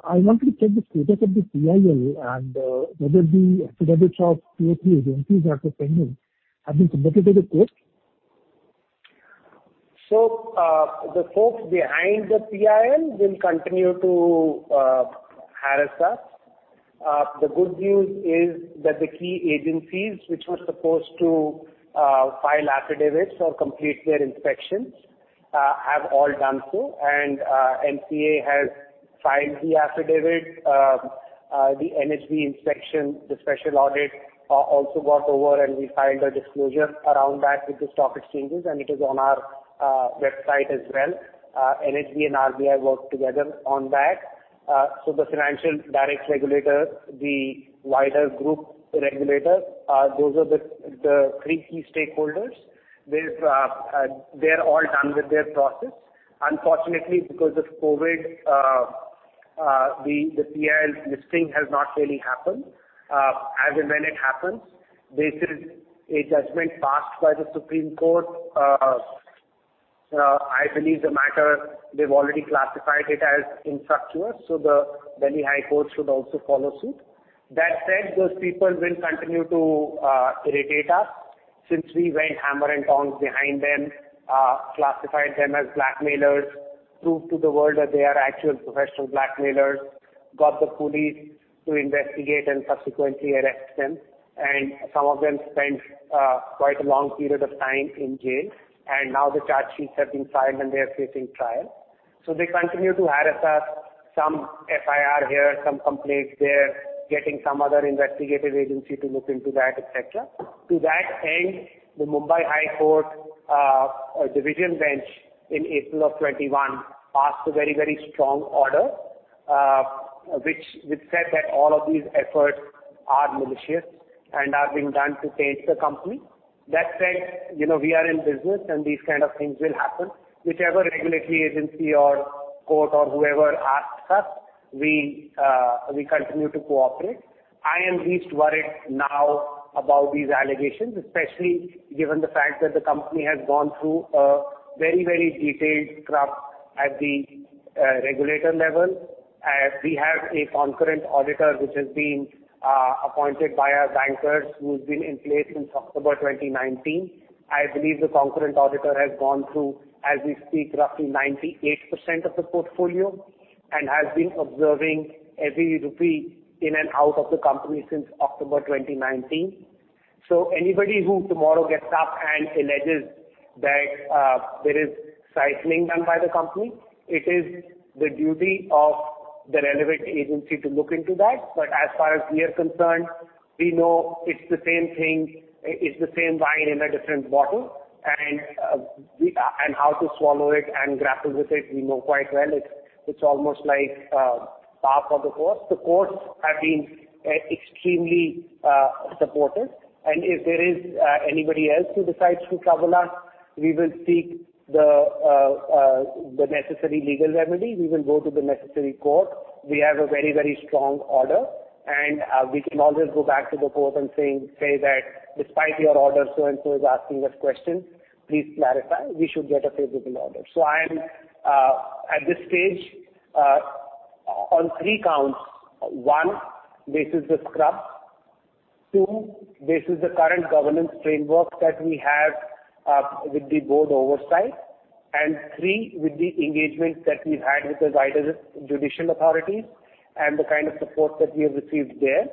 I wanted to check the status of the PIL and whether the affidavits of the key agencies that were pending have been submitted to court. The folks behind the PIL will continue to harass us. The good news is that the key agencies which were supposed to file affidavits or complete their inspections have all done so. MCA has filed the affidavit. The NHB inspection, the special audit also got over, and we filed a disclosure around that with the stock exchanges, and it is on our website as well. NHB and RBI worked together on that. The financial direct regulator, the wider group regulator, those are the three key stakeholders. They're all done with their process. Unfortunately, because of COVID, the PIL listing has not really happened. As and when it happens, this is a judgment passed by the Supreme Court. I believe the matter, they've already classified it as infructuous, so the Delhi High Court should also follow suit. That said, those people will continue to irritate us since we went hammer and tongs behind them, classified them as blackmailers, proved to the world that they are actual professional blackmailers, got the police to investigate and subsequently arrest them. Some of them spent quite a long period of time in jail. Now the charge sheets have been filed and they are facing trial. They continue to harass us. Some FIR here, some complaints there, getting some other investigative agency to look into that, et cetera. To that end, the Mumbai High Court or Division Bench in April 2021 passed a very, very strong order, which said that all of these efforts are malicious and are being done to taint the company. That said, you know, we are in business and these kind of things will happen. Whichever regulatory agency or court or whoever asks us, we continue to cooperate. I am least worried now about these allegations, especially given the fact that the company has gone through a very, very detailed scrub at the regulator level. We have a concurrent auditor which has been appointed by our bankers, who's been in place since October 2019. I believe the concurrent auditor has gone through, as we speak, roughly 98% of the portfolio, and has been observing every rupee in and out of the company since October 2019. Anybody who tomorrow gets up and alleges that there is cycling done by the company, it is the duty of the relevant agency to look into that. As far as we are concerned, we know it's the same thing. It's the same wine in a different bottle. How to swallow it and grapple with it, we know quite well. It's almost like par for the course. The courts have been extremely supportive. If there is anybody else who decides to trouble us, we will seek the necessary legal remedy. We will go to the necessary court. We have a very strong order, and we can always go back to the court and saying that despite your order, so and so is asking us questions, please clarify. We should get a favorable order. I'm at this stage on three counts. One, this is the scrub. Two, this is the current governance framework that we have with the board oversight. Three, with the engagement that we've had with the wider judicial authorities and the kind of support that we have received there.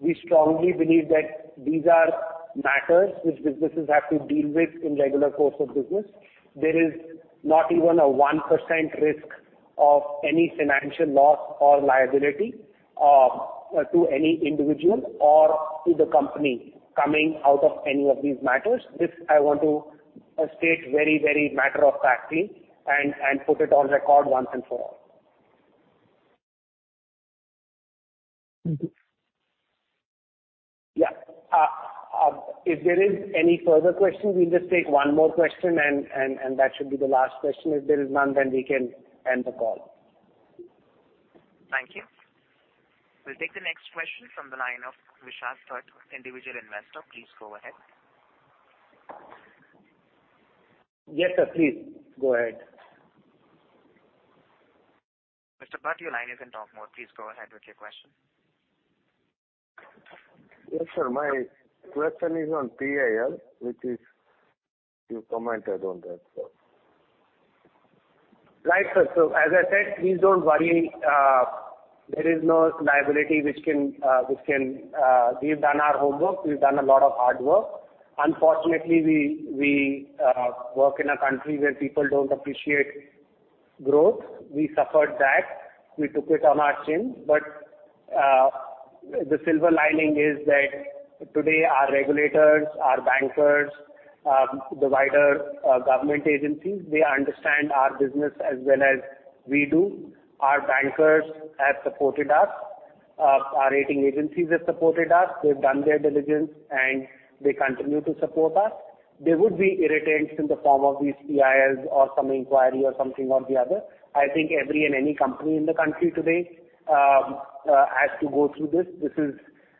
We strongly believe that these are matters which businesses have to deal with in regular course of business. There is not even a 1% risk of any financial loss or liability to any individual or to the company coming out of any of these matters. This I want to state very, very matter of factly and put it on record once and for all. Thank you. Yeah. If there is any further questions, we'll just take one more question and that should be the last question. If there is none, then we can end the call. Thank you. We'll take the next question from the line of Vishwas Bhat, individual investor. Please go ahead. Yes, sir. Please go ahead. Mr. Bhat, your line is in talk mode. Please go ahead with your question. Yes, sir. My question is on PIL, which is you commented on that, sir. Right, sir. As I said, please don't worry. There is no liability which can-we've done our homework. We've done a lot of hard work. Unfortunately, we work in a country where people don't appreciate growth. We suffered that. We took it on our chin. The silver lining is that today our regulators, our bankers, the wider government agencies, they understand our business as well as we do. Our bankers have supported us. Our rating agencies have supported us. They've done their diligence, and they continue to support us. There would be irritants in the form of these PILs or some inquiry or something or the other. I think every and any company in the country today has to go through this. This is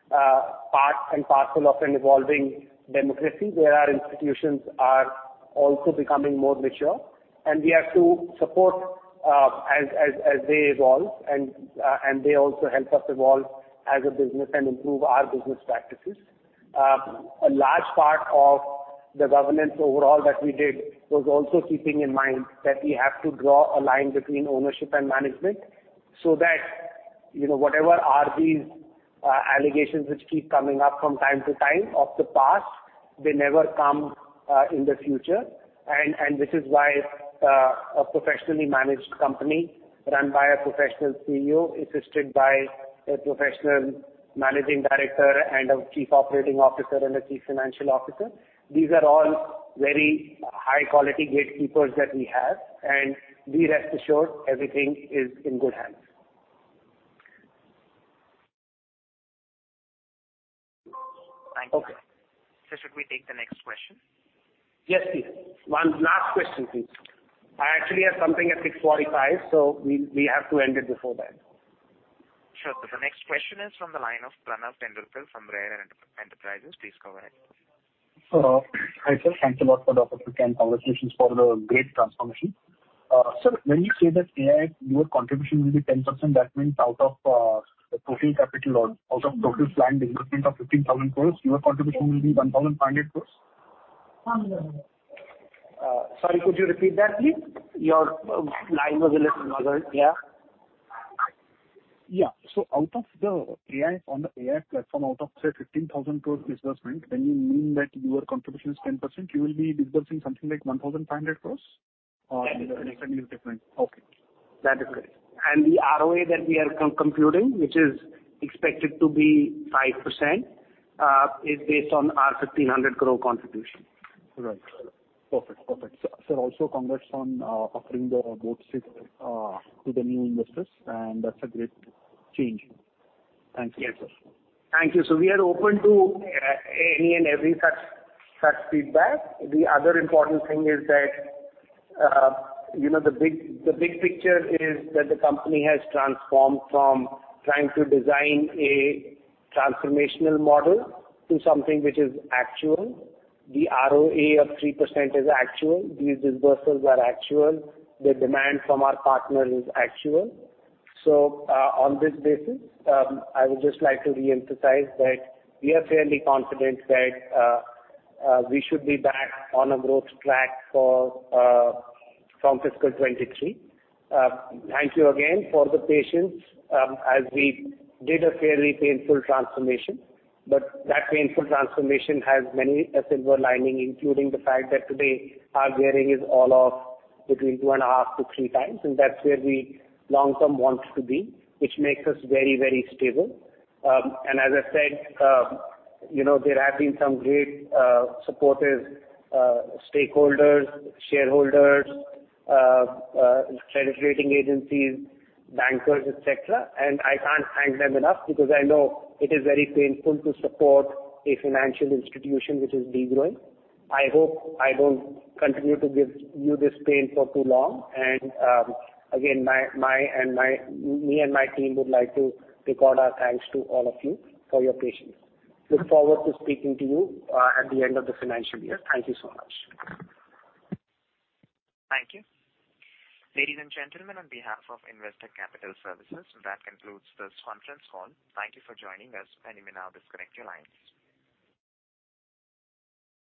part and parcel of an evolving democracy, where our institutions are also becoming more mature. We have to support as they evolve and they also help us evolve as a business and improve our business practices. A large part of the governance overall that we did was also keeping in mind that we have to draw a line between ownership and management so that, you know, whatever are these allegations which keep coming up from time to time of the past, they never come in the future. This is why a professionally managed company run by a professional CEO, assisted by a professional Managing Director and a Chief Operating Officer and a Chief Financial Officer. These are all very high-quality gatekeepers that we have, and rest assured everything is in good hands. Thank you. Okay. Sir, should we take the next question? Yes, please. One last question, please. I actually have something at 6:45, so we have to end it before then. Sure. The next question is from the line of Pranav Tendulkar from Rare Enterprises. Please go ahead. Hi, sir. Thanks a lot for the opportunity and congratulations for the great transformation. Sir, when you say that AIF, your contribution will be 10%, that means out of the total capital or out of total planned disbursement of 15,000 crores, your contribution will be 1,500 crores? Sorry, could you repeat that, please? Your line was a little muffled. Yeah. Out of the AIF, on the AIF platform, out of say 15,000 crore disbursement, when you mean that your contribution is 10%, you will be disbursing something like 1,500 crore? Or am I understanding it differently? Okay. That is correct. The ROA that we are computing, which is expected to be 5%, is based on our 1,500 crore contribution. Right. Perfect. Sir, also congrats on offering the board seat to the new investors, and that's a great change. Thanks. Yes, sir. Thank you. We are open to any and every such feedback. The other important thing is that, you know, the big picture is that the company has transformed from trying to design a transformational model to something which is actual. The ROA of 3% is actual. These disbursements are actual. The demand from our partner is actual. On this basis, I would just like to reemphasize that we are fairly confident that we should be back on a growth track from fiscal 2023. Thank you again for the patience, as we did a fairly painful transformation. That painful transformation has many a silver lining, including the fact that today our gearing is all of between 2.5-3x, and that's where we long-term want to be, which makes us very, very stable. As I said, you know, there have been some great supportive stakeholders, shareholders, credit rating agencies, bankers, et cetera, and I can't thank them enough because I know it is very painful to support a financial institution which is de-growing. I hope I don't continue to give you this pain for too long. Me and my team would like to record our thanks to all of you for your patience. Look forward to speaking to you at the end of the financial year. Thank you so much. Thank you. Ladies and gentlemen, on behalf of Investec Capital Services, that concludes this conference call. Thank you for joining us, and you may now disconnect your lines.